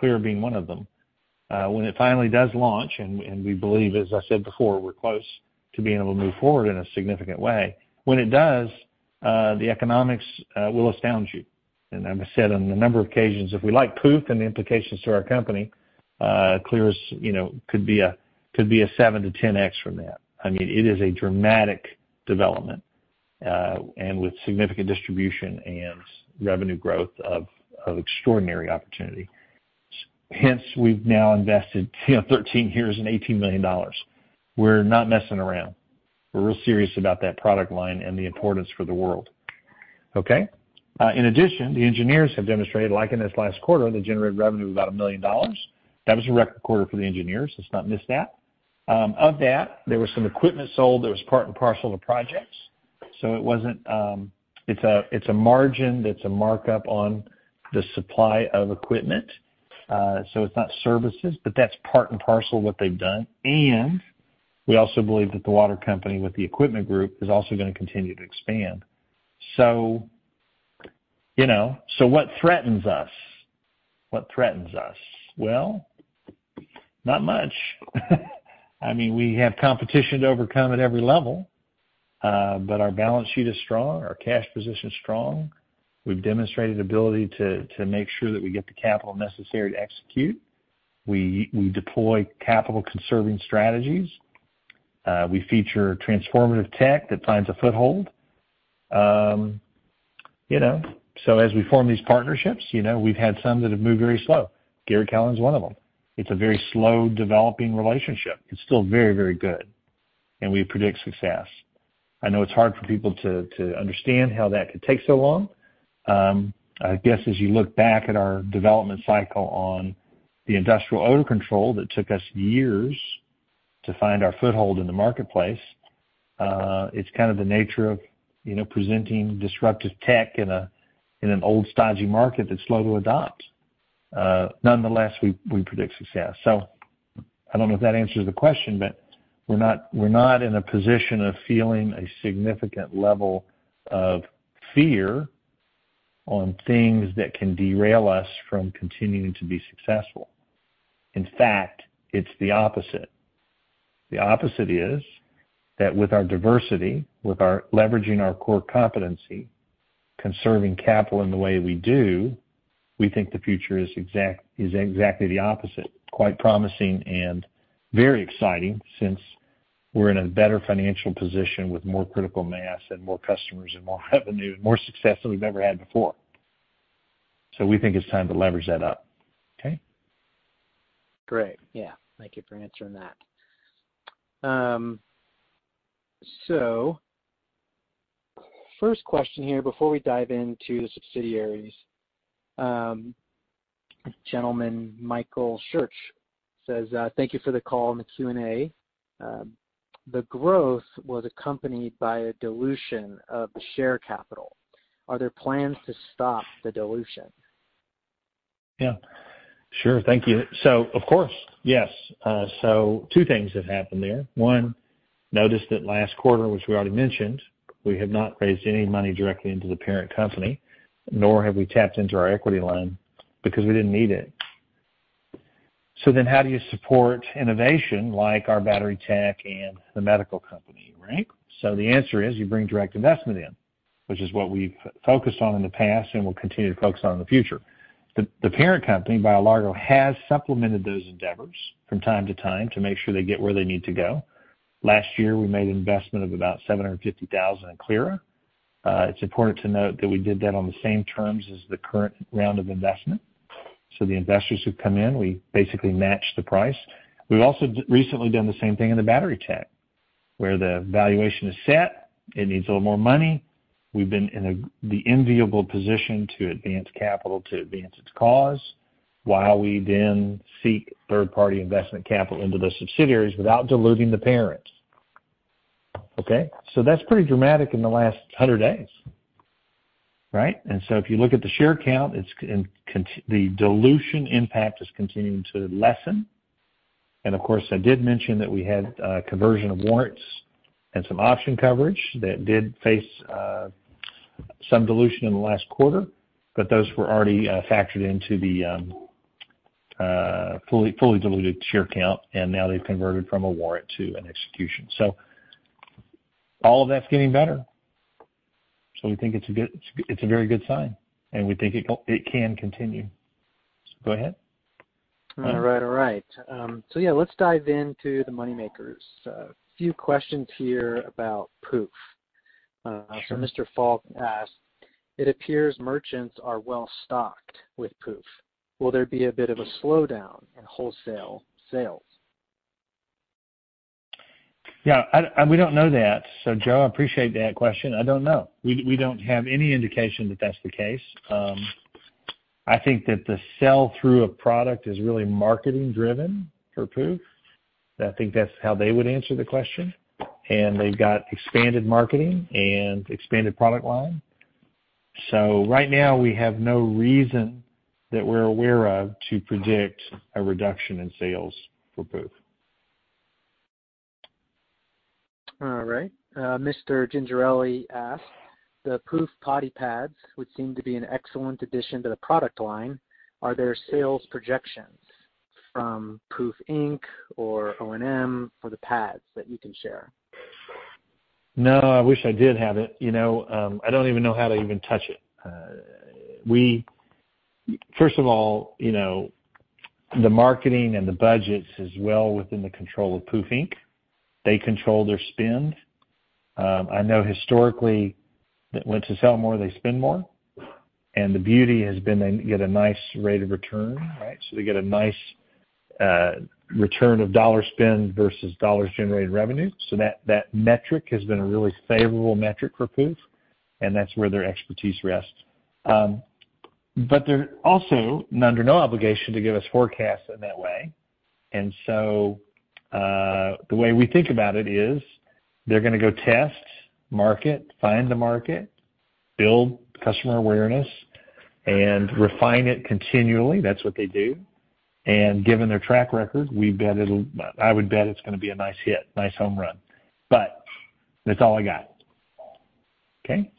S3: Clyra being one of them. When it finally does launch, and, and we believe, as I said before, we're close to being able to move forward in a significant way. When it does, the economics will astound you. And as I said, on a number of occasions, if we like Pooph and the implications to our company, Clyra's, you know, could be a, could be a 7-10x from that. I mean, it is a dramatic development, and with significant distribution and revenue growth of extraordinary opportunity. Hence, we've now invested, you know, 13 years and $18 million. We're not messing around. We're real serious about that product line and the importance for the world, okay? In addition, the engineers have demonstrated, like in this last quarter, they generated revenue of about $1 million. That was a record quarter for the engineers. Let's not miss that. Of that, there was some equipment sold that was part and parcel of projects, so it wasn't... It's a, it's a margin that's a markup on the supply of equipment, so it's not services, but that's part and parcel of what they've done. And we also believe that the water company with the equipment group is also gonna continue to expand. So, you know, so what threatens us? What threatens us? Well, not much. I mean, we have competition to overcome at every level, but our balance sheet is strong, our cash position is strong. We've demonstrated ability to, to make sure that we get the capital necessary to execute. We, we deploy capital-conserving strategies. We feature transformative tech that finds a foothold. You know, so as we form these partnerships, you know, we've had some that have moved very slow. Garratt-Callahan is one of them. It's a very slow-developing relationship. It's still very, very good, and we predict success. I know it's hard for people to understand how that could take so long. I guess as you look back at our development cycle on the industrial odor control, that took us years to find our foothold in the marketplace. It's kind of the nature of, you know, presenting disruptive tech in a, in an old, stodgy market that's slow to adopt. Nonetheless, we predict success. So I don't know if that answers the question, but we're not in a position of feeling a significant level of fear on things that can derail us from continuing to be successful. In fact, it's the opposite. The opposite is that with our diversity, with our leveraging our core competency conserving capital in the way we do, we think the future is exactly the opposite. Quite promising and very exciting, since we're in a better financial position with more critical mass and more customers and more revenue, more success than we've ever had before. So we think it's time to leverage that up. Okay?
S2: Great. Yeah, thank you for answering that. So first question here, before we dive into the subsidiaries, gentleman Michael Schurch says, "Thank you for the call and the Q&A. The growth was accompanied by a dilution of the share capital. Are there plans to stop the dilution?
S3: Yeah, sure. Thank you. So of course, yes. So two things have happened there. One, notice that last quarter, which we already mentioned, we have not raised any money directly into the parent company, nor have we tapped into our equity loan, because we didn't need it. So then how do you support innovation like our battery tech and the medical company, right? So the answer is, you bring direct investment in, which is what we've focused on in the past and will continue to focus on in the future. The, the parent company, BioLargo, has supplemented those endeavors from time to time to make sure they get where they need to go. Last year, we made an investment of about $750,000 in Clyra. It's important to note that we did that on the same terms as the current round of investment. So the investors who've come in, we basically matched the price. We've also recently done the same thing in the battery tech, where the valuation is set, it needs a little more money. We've been in the enviable position to advance capital to advance its cause, while we then seek third-party investment capital into the subsidiaries without diluting the parent. Okay? So that's pretty dramatic in the last 100 days, right? And so if you look at the share count, it's the dilution impact is continuing to lessen. And of course, I did mention that we had conversion of warrants and some option coverage that did face some dilution in the last quarter, but those were already factored into the fully diluted share count, and now they've converted from a warrant to an execution. So all of that's getting better. So we think it's a good - it's a very good sign, and we think it can continue. So go ahead.
S2: All right, all right. So yeah, let's dive into the money makers. A few questions here about Pooph.
S3: Sure.
S2: Mr. Falk asked, "It appears merchants are well-stocked with Pooph. Will there be a bit of a slowdown in wholesale sales?
S3: Yeah, and, and we don't know that. So Joe, I appreciate that question. I don't know. We, we don't have any indication that that's the case. I think that the sell-through of product is really marketing driven for Pooph. I think that's how they would answer the question, and they've got expanded marketing and expanded product line. So right now we have no reason, that we're aware of, to predict a reduction in sales for Pooph.
S2: All right. Mr. Gingerella asked, "The Pooph potty pads, which seem to be an excellent addition to the product line, are there sales projections from Pooph Inc. or ONM for the pads that you can share?
S3: No, I wish I did have it. You know, I don't even know how to even touch it. We, first of all, you know, the marketing and the budgets is well within the control of Pooph, Inc. They control their spend. I know historically, that once they sell more, they spend more, and the beauty has been they get a nice rate of return, right? So they get a nice, return of dollar spend versus dollars generated revenue. So that, that metric has been a really favorable metric for Pooph, and that's where their expertise rests. But they're also under no obligation to give us forecasts in that way. And so, the way we think about it is, they're gonna go test market, find the market, build customer awareness, and refine it continually. That's what they do. Given their track record, we bet it'll. I would bet it's gonna be a nice hit, nice home run. But that's all I got. Okay?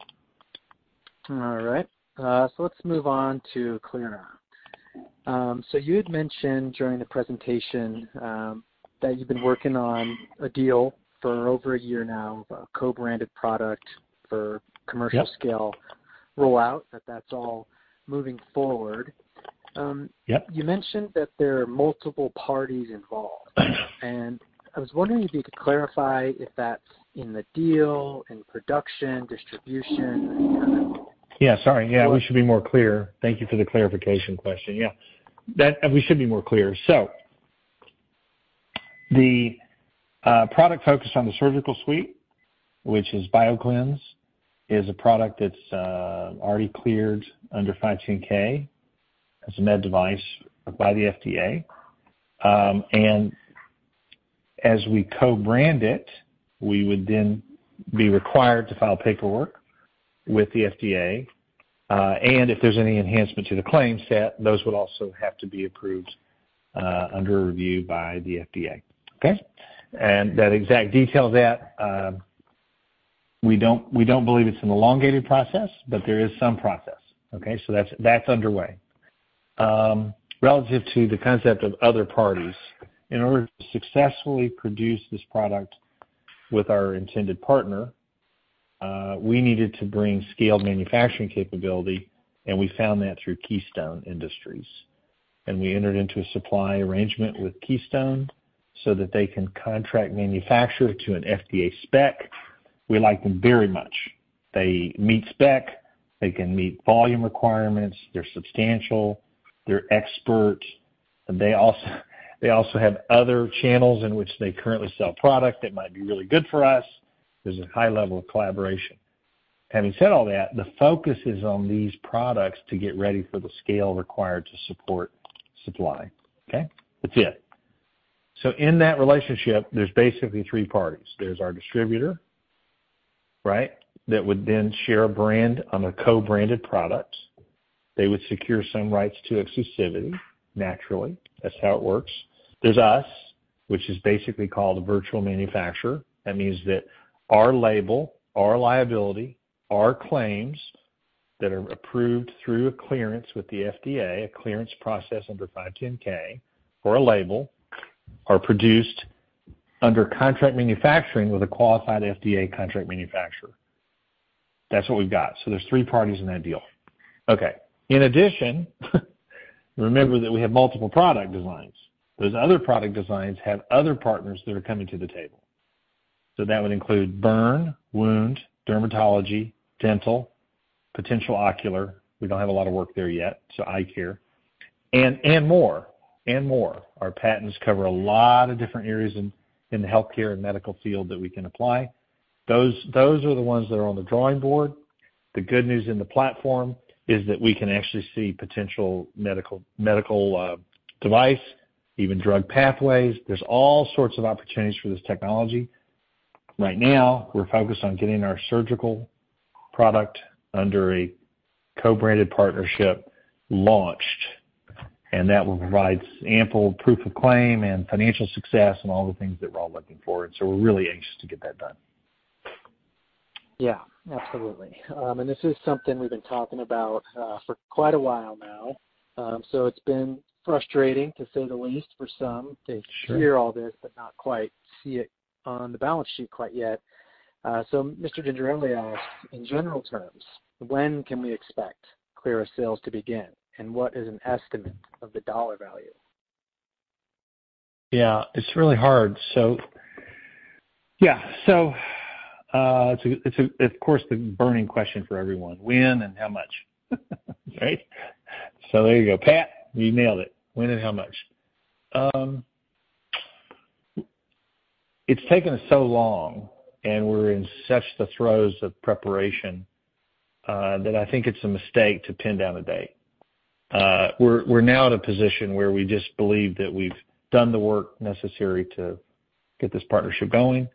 S2: All right. So let's move on to Clyra. So you had mentioned during the presentation, that you've been working on a deal for over a year now, a co-branded product for-
S3: Yep
S2: commercial scale rollout, that’s all moving forward.
S3: Yep.
S2: You mentioned that there are multiple parties involved.
S3: Uh-huh.
S2: I was wondering if you could clarify if that's in the deal, in production, distribution?
S3: Yeah, sorry. Yeah, we should be more clear. Thank you for the clarification question. Yeah, that and we should be more clear. So the product focus on the surgical suite, which is Bioclynse, is a product that's already cleared under 510(k) as a med device by the FDA. And as we co-brand it, we would then be required to file paperwork with the FDA, and if there's any enhancement to the claim set, those would also have to be approved under review by the FDA. Okay? And that exact detail of that, we don't, we don't believe it's an elongated process, but there is some process. Okay, so that's underway. Relative to the concept of other parties, in order to successfully produce this product with our intended partner, we needed to bring scaled manufacturing capability, and we found that through Keystone Industries. We entered into a supply arrangement with Keystone so that they can contract manufacture to an FDA spec. We like them very much. They meet spec. They can meet volume requirements. They're substantial, they're expert, and they also, they also have other channels in which they currently sell product that might be really good for us. There's a high level of collaboration. Having said all that, the focus is on these products to get ready for the scale required to support supply, okay? That's it. In that relationship, there's basically three parties. There's our distributor, right? That would then share a brand on a co-branded product. They would secure some rights to exclusivity, naturally. That's how it works. There's us, which is basically called a virtual manufacturer. That means that our label, our liability, our claims, that are approved through a clearance with the FDA, a clearance process under 510(k) for a label, are produced under contract manufacturing with a qualified FDA contract manufacturer. That's what we've got. So there's three parties in that deal. Okay. In addition, remember that we have multiple product designs. Those other product designs have other partners that are coming to the table. So that would include burn, wound, dermatology, dental, potential ocular. We don't have a lot of work there yet, so eye care and, and more, and more. Our patents cover a lot of different areas in, in the healthcare and medical field that we can apply. Those, those are the ones that are on the drawing board. The good news in the platform is that we can actually see potential medical, medical, device, even drug pathways. There's all sorts of opportunities for this technology. Right now, we're focused on getting our surgical product under a co-branded partnership launched, and that will provide ample proof of claim and financial success and all the things that we're all looking for. So we're really anxious to get that done.
S2: Yeah, absolutely. This is something we've been talking about for quite a while now. It's been frustrating, to say the least, for some-
S3: Sure.
S2: to hear all this, but not quite see it on the balance sheet quite yet. So Mr. Gingerella asked, in general terms, when can we expect Clyra sales to begin, and what is an estimate of the dollar value?
S3: Yeah, it's really hard. So, yeah, so, it's of course the burning question for everyone: When and how much? Right? So there you go, Pat, you nailed it. When and how much? It's taken us so long, and we're in such the throes of preparation that I think it's a mistake to pin down a date. We're now at a position where we just believe that we've done the work necessary to get this partnership going, and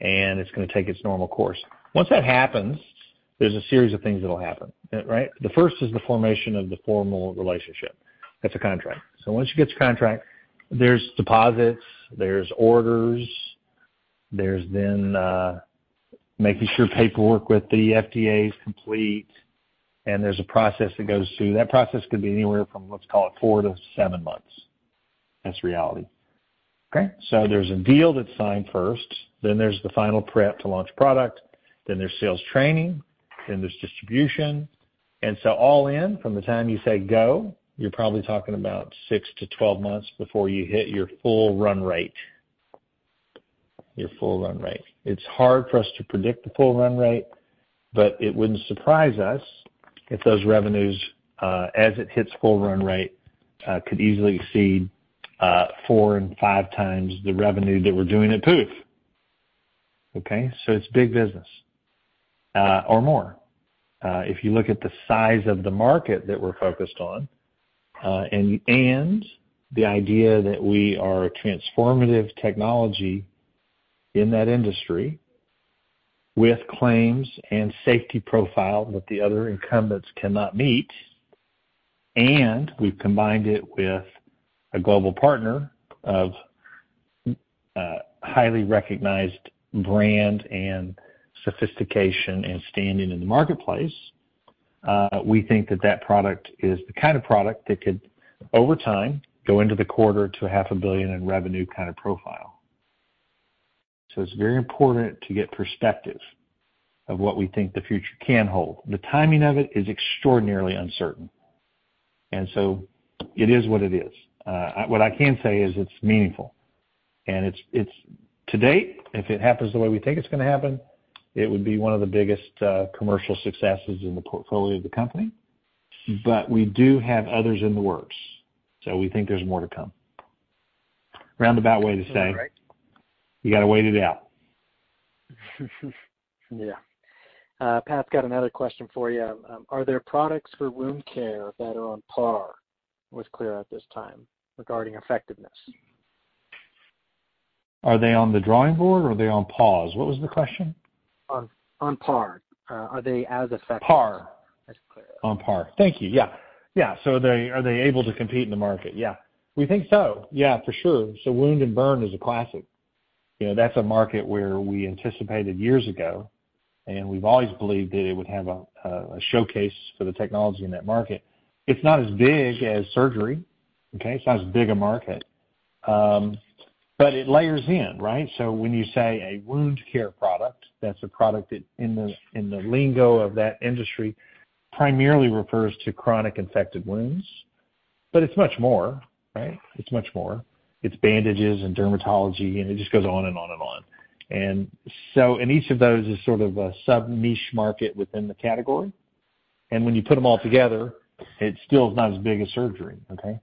S3: it's gonna take its normal course. Once that happens, there's a series of things that will happen, right? The first is the formation of the formal relationship. That's a contract. So once you get to contract, there's deposits, there's orders, there's then making sure paperwork with the FDA is complete, and there's a process that goes through. That process could be anywhere from, let's call it 4-7 months. That's reality. Okay, so there's a deal that's signed first, then there's the final prep to launch product, then there's sales training, then there's distribution. And so all in, from the time you say go, you're probably talking about 6-12 months before you hit your full run rate. Your full run rate. It's hard for us to predict the full run rate, but it wouldn't surprise us if those revenues, as it hits full run rate, could easily exceed, 4 and 5 times the revenue that we're doing at Pooph. Okay, so it's big business, or more. If you look at the size of the market that we're focused on, and the idea that we are a transformative technology in that industry with claims and safety profile that the other incumbents cannot meet, and we've combined it with a global partner of highly recognized brand and sophistication and standing in the marketplace, we think that that product is the kind of product that could, over time, go into $250 million-$500 million in revenue kind of profile. So it's very important to get perspective of what we think the future can hold. The timing of it is extraordinarily uncertain, and so it is what it is. What I can say is it's meaningful, and it's... to date, if it happens the way we think it's gonna happen, it would be one of the biggest commercial successes in the portfolio of the company. But we do have others in the works, so we think there's more to come. Roundabout way to say-
S2: All right.
S3: You got to wait it out.
S2: Yeah. Pat's got another question for you. Are there products for wound care that are on par with Clyra at this time regarding effectiveness?
S3: Are they on the drawing board or are they on pause? What was the question?
S2: On par. Are they as effective?
S3: Par.
S2: That's clear.
S3: On par. Thank you. Yeah. Yeah, so they—are they able to compete in the market? Yeah, we think so. Yeah, for sure. So wound and burn is a classic. You know, that's a market where we anticipated years ago, and we've always believed that it would have a showcase for the technology in that market. It's not as big as surgery, okay? It's not as big a market, but it layers in, right? So when you say a wound care product, that's a product that in the lingo of that industry, primarily refers to chronic infected wounds, but it's much more, right? It's much more. It's bandages and dermatology, and it just goes on and on and on. And so, and each of those is sort of a sub-niche market within the category. And when you put them all together, it still is not as big as surgery, okay?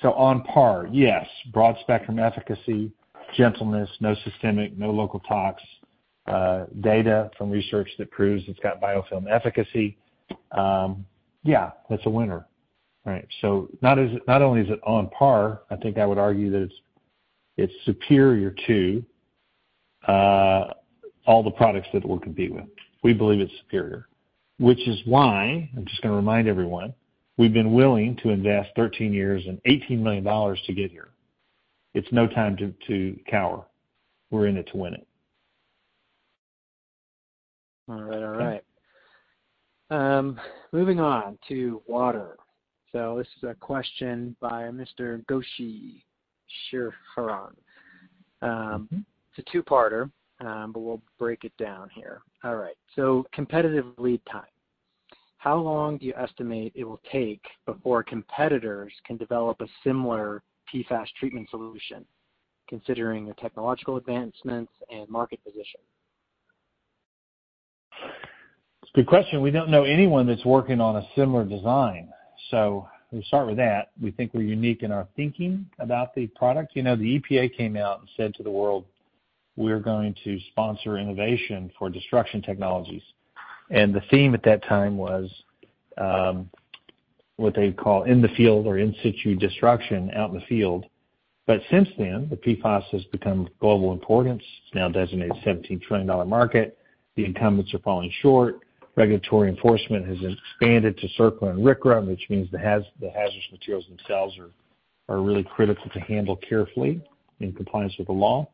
S3: So on par, yes, broad-spectrum efficacy, gentleness, no systemic, no local tox, data from research that proves it's got biofilm efficacy. Yeah, that's a winner, right? So not only is it on par, I think I would argue that it's, it's superior to all the products that it will compete with. We believe it's superior, which is why, I'm just gonna remind everyone, we've been willing to invest 13 years and $18 million to get here. It's no time to cower. We're in it to win it. All right. All right. Moving on to water. So this is a question by Mr. Gobi Sriranganathan. It's a two-parter, but we'll break it down here. All right. So competitive lead time. How long do you estimate it will take before competitors can develop a similar PFAS treatment solution, considering the technological advancements and market position? It's a good question. We don't know anyone that's working on a similar design, so we'll start with that. We think we're unique in our thinking about the product. You know, the EPA came out and said to the world, "We're going to sponsor innovation for destruction technologies." And the theme at that time was what they call in the field or in situ destruction out in the field. But since then, the PFAS has become of global importance. It's now designated a $17 trillion market. The incumbents are falling short. Regulatory enforcement has expanded to CERCLA and RCRA, which means the hazardous materials themselves are really critical to handle carefully in compliance with the law.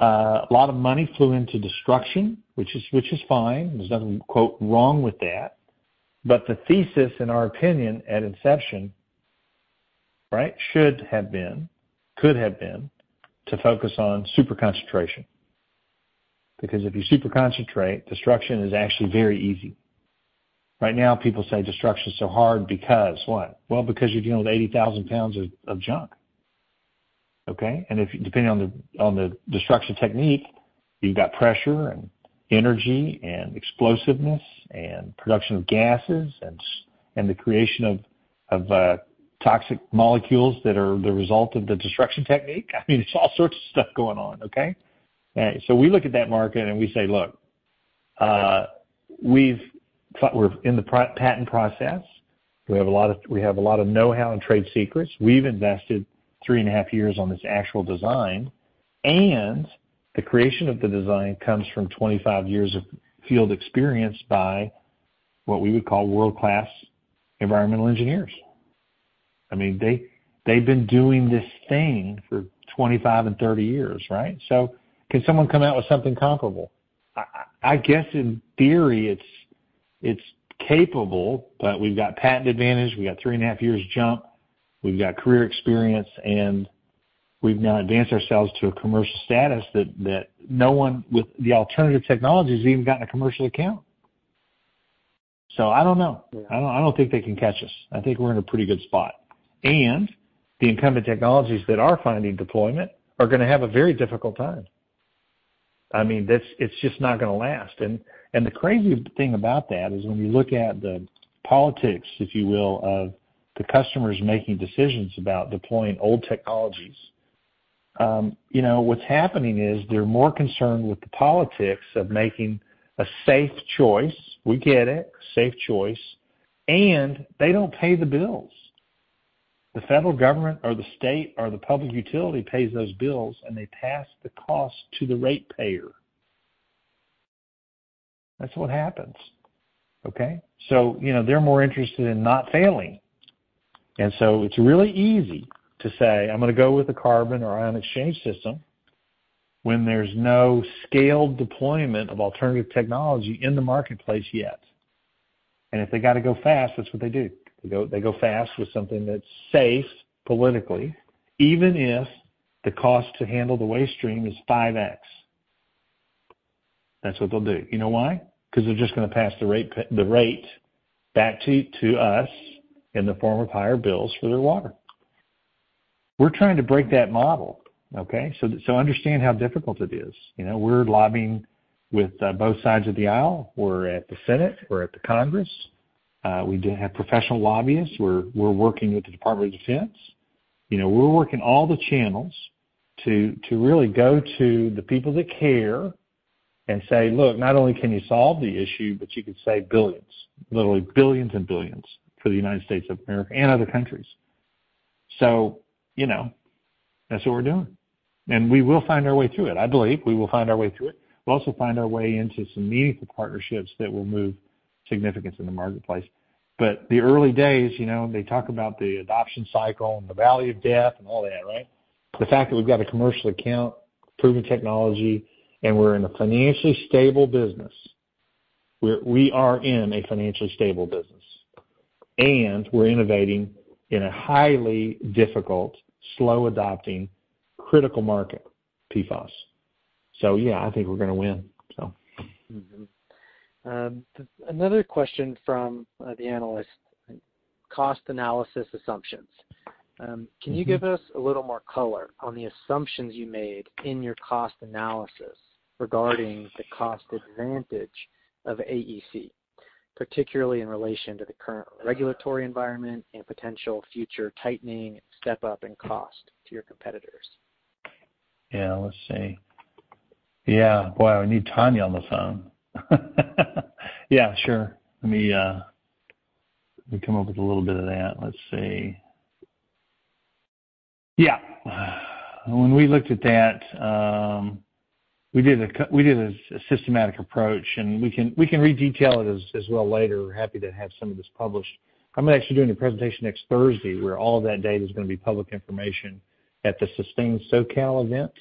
S3: A lot of money flew into destruction, which is fine. There's nothing, quote, "wrong with that." But the thesis, in our opinion, at inception, right, should have been, could have been to focus on super concentration, because if you super concentrate, destruction is actually very easy. Right now, people say destruction is so hard because what? Well, because you're dealing with 80,000 pounds of junk, okay? And if, depending on the, on the destruction technique, you've got pressure and energy and explosiveness and production of gases and the creation of toxic molecules that are the result of the destruction technique. I mean, it's all sorts of stuff going on, okay? And so we look at that market, and we say, look, we've thought... We're in the patent process. We have a lot of, we have a lot of know-how and trade secrets. We've invested 3.5 years on this actual design, and the creation of the design comes from 25 years of field experience by what we would call world-class environmental engineers. I mean, they've been doing this thing for 25 and 30 years, right? So can someone come out with something comparable? I guess in theory, it's capable, but we've got patent advantage, we've got 3.5 years jump, we've got career experience, and we've now advanced ourselves to a commercial status that no one with the alternative technologies has even gotten a commercial account. So I don't know. I don't think they can catch us. I think we're in a pretty good spot. And the incumbent technologies that are finding deployment are gonna have a very difficult time. I mean, that's it. It's just not gonna last. The crazy thing about that is when you look at the politics, if you will, of the customers making decisions about deploying old technologies, you know, what's happening is, they're more concerned with the politics of making a safe choice. We get it, safe choice, and they don't pay the bills. The federal government or the state or the public utility pays those bills, and they pass the cost to the ratepayer. That's what happens, okay? So, you know, they're more interested in not failing. And so it's really easy to say, I'm gonna go with a carbon or ion exchange system when there's no scaled deployment of alternative technology in the marketplace yet. And if they got to go fast, that's what they do. They go, they go fast with something that's safe politically, even if the cost to handle the waste stream is 5x. That's what they'll do. You know why? Because they're just gonna pass the rate back to, to us in the form of higher bills for their water. We're trying to break that model, okay? So, understand how difficult it is. You know, we're lobbying with both sides of the aisle. We're at the Senate, we're at the Congress, we do have professional lobbyists. We're working with the Department of Defense. You know, we're working all the channels to, to really go to the people that care and say, "Look, not only can you solve the issue, but you could save billions, literally billions and billions for the United States of America and other countries." So, you know, that's what we're doing, and we will find our way through it. I believe we will find our way through it. We'll also find our way into some meaningful partnerships that will move... significance in the marketplace. But the early days, you know, they talk about the adoption cycle and the valley of death and all that, right? The fact that we've got a commercial account, proven technology, and we're in a financially stable business, we, we are in a financially stable business, and we're innovating in a highly difficult, slow-adopting, critical market, PFAS. So yeah, I think we're gonna win, so.
S2: Mm-hmm. Another question from the analyst: cost analysis assumptions. Can you give us a little more color on the assumptions you made in your cost analysis regarding the cost advantage of AEC, particularly in relation to the current regulatory environment and potential future tightening, step up in cost to your competitors?
S4: Yeah, let's see. Yeah. Boy, I need Tonya on the phone. Yeah, sure. Let me come up with a little bit of that. Let's see. Yeah. When we looked at that, we did a systematic approach, and we can re-detail it as well later. We're happy to have some of this published. I'm actually doing a presentation next Thursday, where all that data is gonna be public information at the Sustain SoCal event.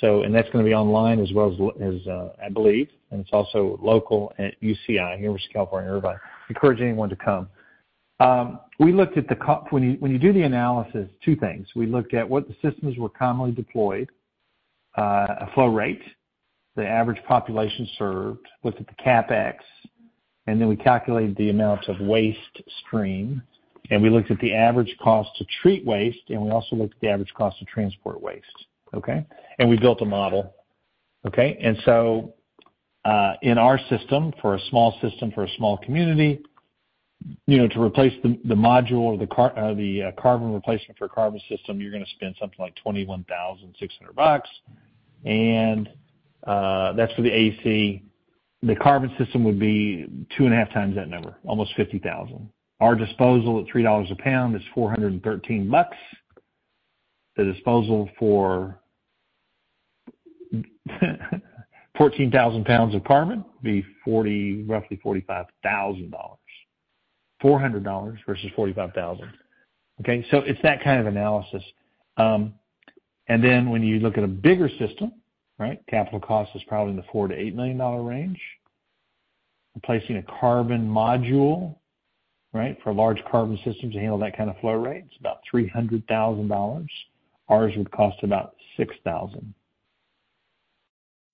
S4: So, And that's gonna be online as well as, I believe, and it's also local at UCI, University of California, Irvine. Encourage anyone to come. When you, when you do the analysis, two things: We looked at what the systems were commonly deployed, a flow rate, the average population served, looked at the CapEx, and then we calculated the amount of waste stream, and we looked at the average cost to treat waste, and we also looked at the average cost to transport waste, okay? And we built a model. Okay? And so, in our system, for a small system, for a small community, you know, to replace the module or the carbon replacement for a carbon system, you're gonna spend something like $21,600, and that's for the AEC. The carbon system would be two and a half times that number, almost $50,000. Our disposal at $3 a pound is $413. The disposal for 14,000 pounds of carbon would be roughly $45,000. $400 versus $45,000. Okay? So it's that kind of analysis. And then when you look at a bigger system, right? Capital cost is probably in the $4 million-$8 million range. Replacing a carbon module, right, for a large carbon system to handle that kind of flow rate, it's about $300,000. Ours would cost about $6,000.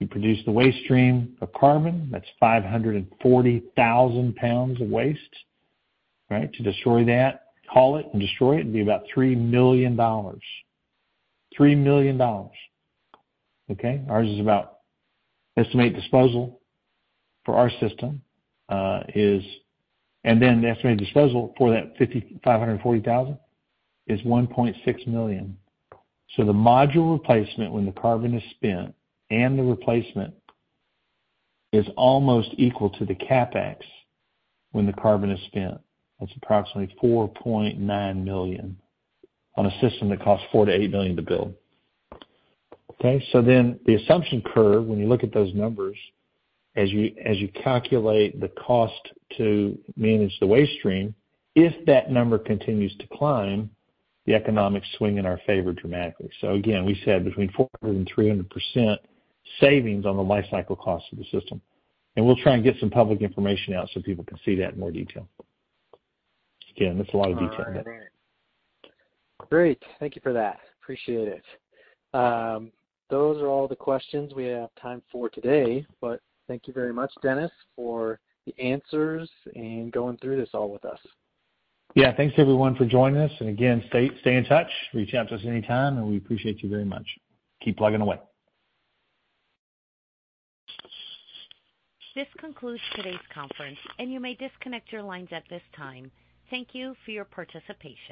S4: You produce the waste stream of carbon, that's 540,000 pounds of waste, right? To destroy that, haul it and destroy it, it'd be about $3 million. $3 million, okay? Ours is about... Estimated disposal for our system is... And then the estimated disposal for that 540,000 is $1.6 million. So the module replacement, when the carbon is spent, and the replacement, is almost equal to the CapEx when the carbon is spent. That's approximately $4.9 million on a system that costs $4-$8 million to build. Okay? So then the assumption curve, when you look at those numbers, as you, as you calculate the cost to manage the waste stream, if that number continues to climb, the economics swing in our favor dramatically. So again, we said between 400% and 300% savings on the life cycle cost of the system. And we'll try and get some public information out so people can see that in more detail. Again, that's a lot of detail.
S2: All right. Great. Thank you for that. Appreciate it. Those are all the questions we have time for today, but thank you very much, Dennis, for the answers and going through this all with us.
S3: Yeah. Thanks, everyone, for joining us. And again, stay in touch. Reach out to us anytime, and we appreciate you very much. Keep plugging away.
S1: This concludes today's conference, and you may disconnect your lines at this time. Thank you for your participation.